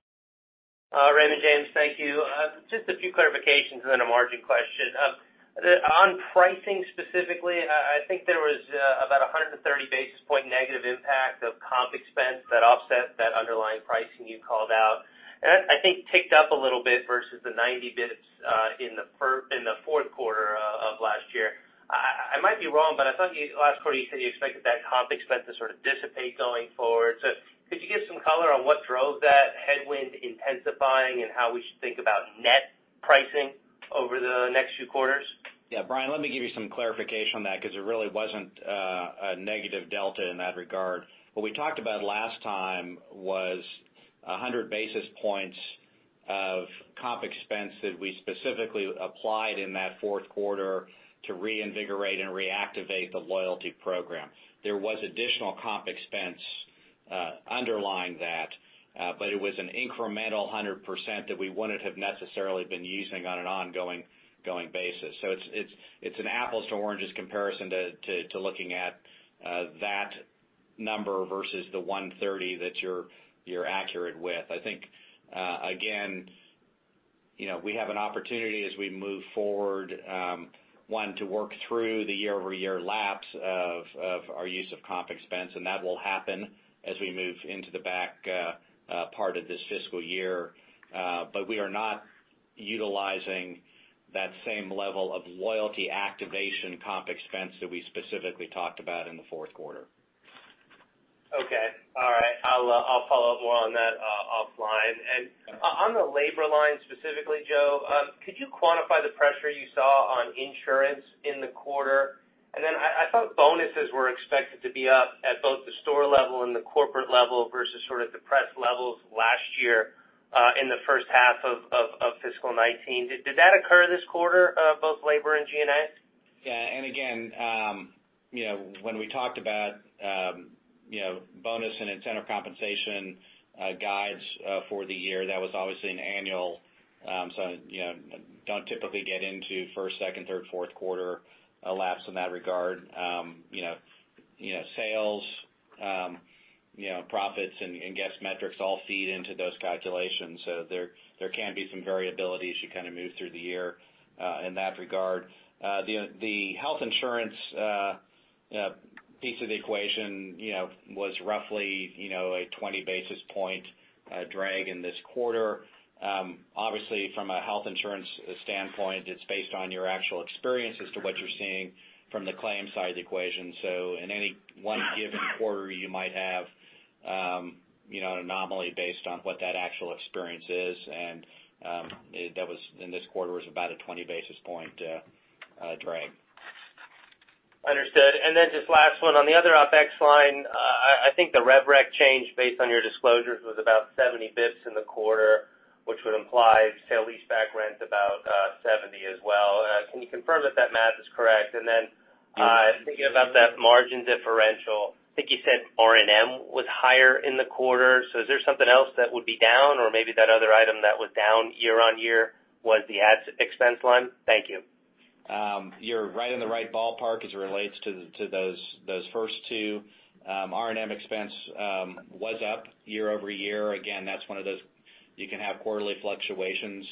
Brian Vaccaro, thank you. Just a few clarifications and then a margin question. On pricing specifically, I think there was about 130 basis points negative impact of comp expense that offset that underlying pricing you called out. That, I think, ticked up a little bit versus the 90 basis points in the fourth quarter of last year. I might be wrong, but I thought last quarter you said you expected that comp expense to dissipate going forward. Could you give some color on what drove that headwind intensifying and how we should think about net pricing over the next few quarters? Brian, let me give you some clarification on that because it really wasn't a negative delta in that regard. What we talked about last time was 100 basis points of comp expense that we specifically applied in that fourth quarter to reinvigorate and reactivate the loyalty program. There was additional comp expense underlying that, but it was an incremental 100% that we wouldn't have necessarily been using on an ongoing basis. It's an apples to oranges comparison to looking at that number versus the 130 that you're accurate with. I think, again, we have an opportunity as we move forward, one, to work through the year-over-year lapse of our use of comp expense, and that will happen as we move into the back part of this fiscal year. We are not utilizing that same level of loyalty activation comp expense that we specifically talked about in the fourth quarter. Okay. All right. I'll follow up more on that offline. On the labor line specifically, Joe, could you quantify the pressure you saw on insurance in the quarter? I thought bonuses were expected to be up at both the store level and the corporate level versus sort of depressed levels last year, in the first half of fiscal 2019. Did that occur this quarter of both labor and G&A? Yeah. Again, when we talked about bonus and incentive compensation guides for the year, that was obviously an annual, so don't typically get into first, second, third, fourth quarter elapsed in that regard. Sales, profits and guest metrics all feed into those calculations. There can be some variabilities as you move through the year, in that regard. The health insurance piece of the equation was roughly a 20 basis point drag in this quarter. Obviously, from a health insurance standpoint, it's based on your actual experience as to what you're seeing from the claim side of the equation. In any one given quarter, you might have an anomaly based on what that actual experience is, and that was, in this quarter, was about a 20 basis point drag. Understood. Just last one, on the other OpEx line, I think the rev rec change based on your disclosures was about 70 basis points in the quarter, which would imply sale-leaseback rent about 70 as well. Can you confirm that math is correct? Thinking about that margin differential, I think you said R&M was higher in the quarter, is there something else that would be down or maybe that other item that was down year-over-year was the ad expense line? Thank you. You're right in the right ballpark as it relates to those first two. R&M expense was up year-over-year. Again, that's one of those, you can have quarterly fluctuations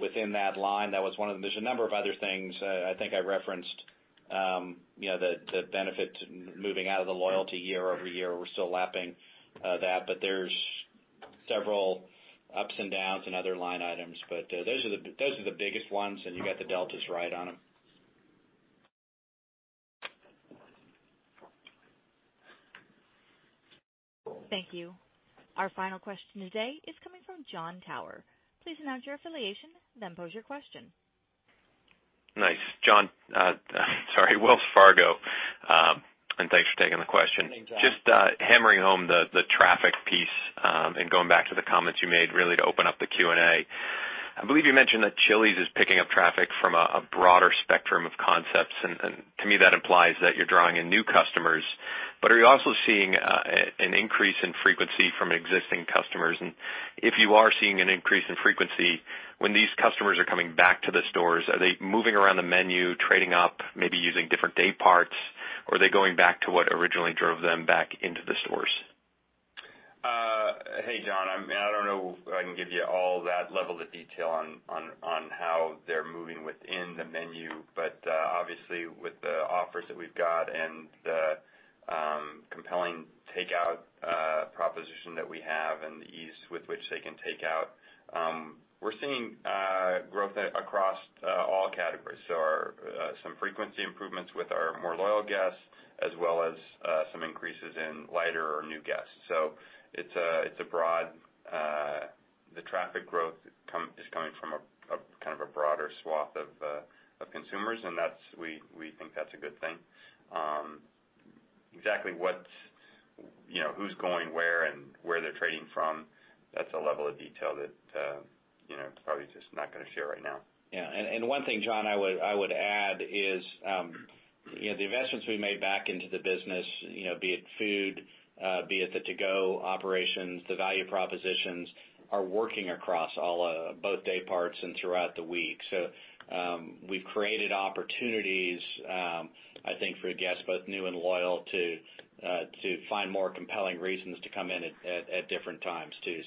within that line. There's a number of other things. I think I referenced the benefit moving out of the loyalty year-over-year. We're still lapping that. There's several ups and downs in other line items. Those are the biggest ones, and you got the deltas right on them. Thank you. Our final question today is coming from Jon Tower. Please announce your affiliation, then pose your question. Nice. Jon, sorry, Wells Fargo, thanks for taking the question. Thanks, Jon. Just hammering home the traffic piece, going back to the comments you made really to open up the Q&A. I believe you mentioned that Chili's is picking up traffic from a broader spectrum of concepts, to me, that implies that you're drawing in new customers. Are you also seeing an increase in frequency from existing customers? If you are seeing an increase in frequency, when these customers are coming back to the stores, are they moving around the menu, trading up, maybe using different day parts? Are they going back to what originally drove them back into the stores? Hey, Jon. I don't know if I can give you all that level of detail on how they're moving within the menu. Obviously with the offers that we've got and the compelling takeout proposition that we have and the ease with which they can take out, we're seeing growth across all categories. Some frequency improvements with our more loyal guests, as well as some increases in lighter or new guests. It's broad. The traffic growth is coming from a broader swath of consumers, and we think that's a good thing. Exactly who's going where and where they're trading from, that's a level of detail that probably just not going to share right now. Yeah. One thing, Jon, I would add is the investments we made back into the business, be it food, be it the to-go operations, the value propositions, are working across both day parts and throughout the week. We've created opportunities, I think, for guests, both new and loyal, to find more compelling reasons to come in at different times too.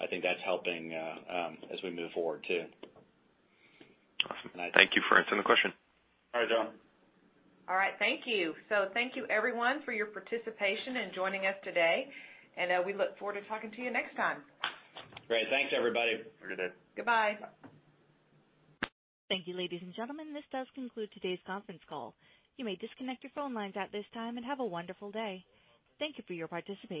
I think that's helping as we move forward, too. Awesome. Thank you for answering the question. All right, Jon. All right. Thank you. Thank you everyone for your participation and joining us today, and we look forward to talking to you next time. Great. Thanks, everybody. Have a good day. Goodbye. Thank you, ladies and gentlemen. This does conclude today's conference call. You may disconnect your phone lines at this time and have a wonderful day. Thank you for your participation.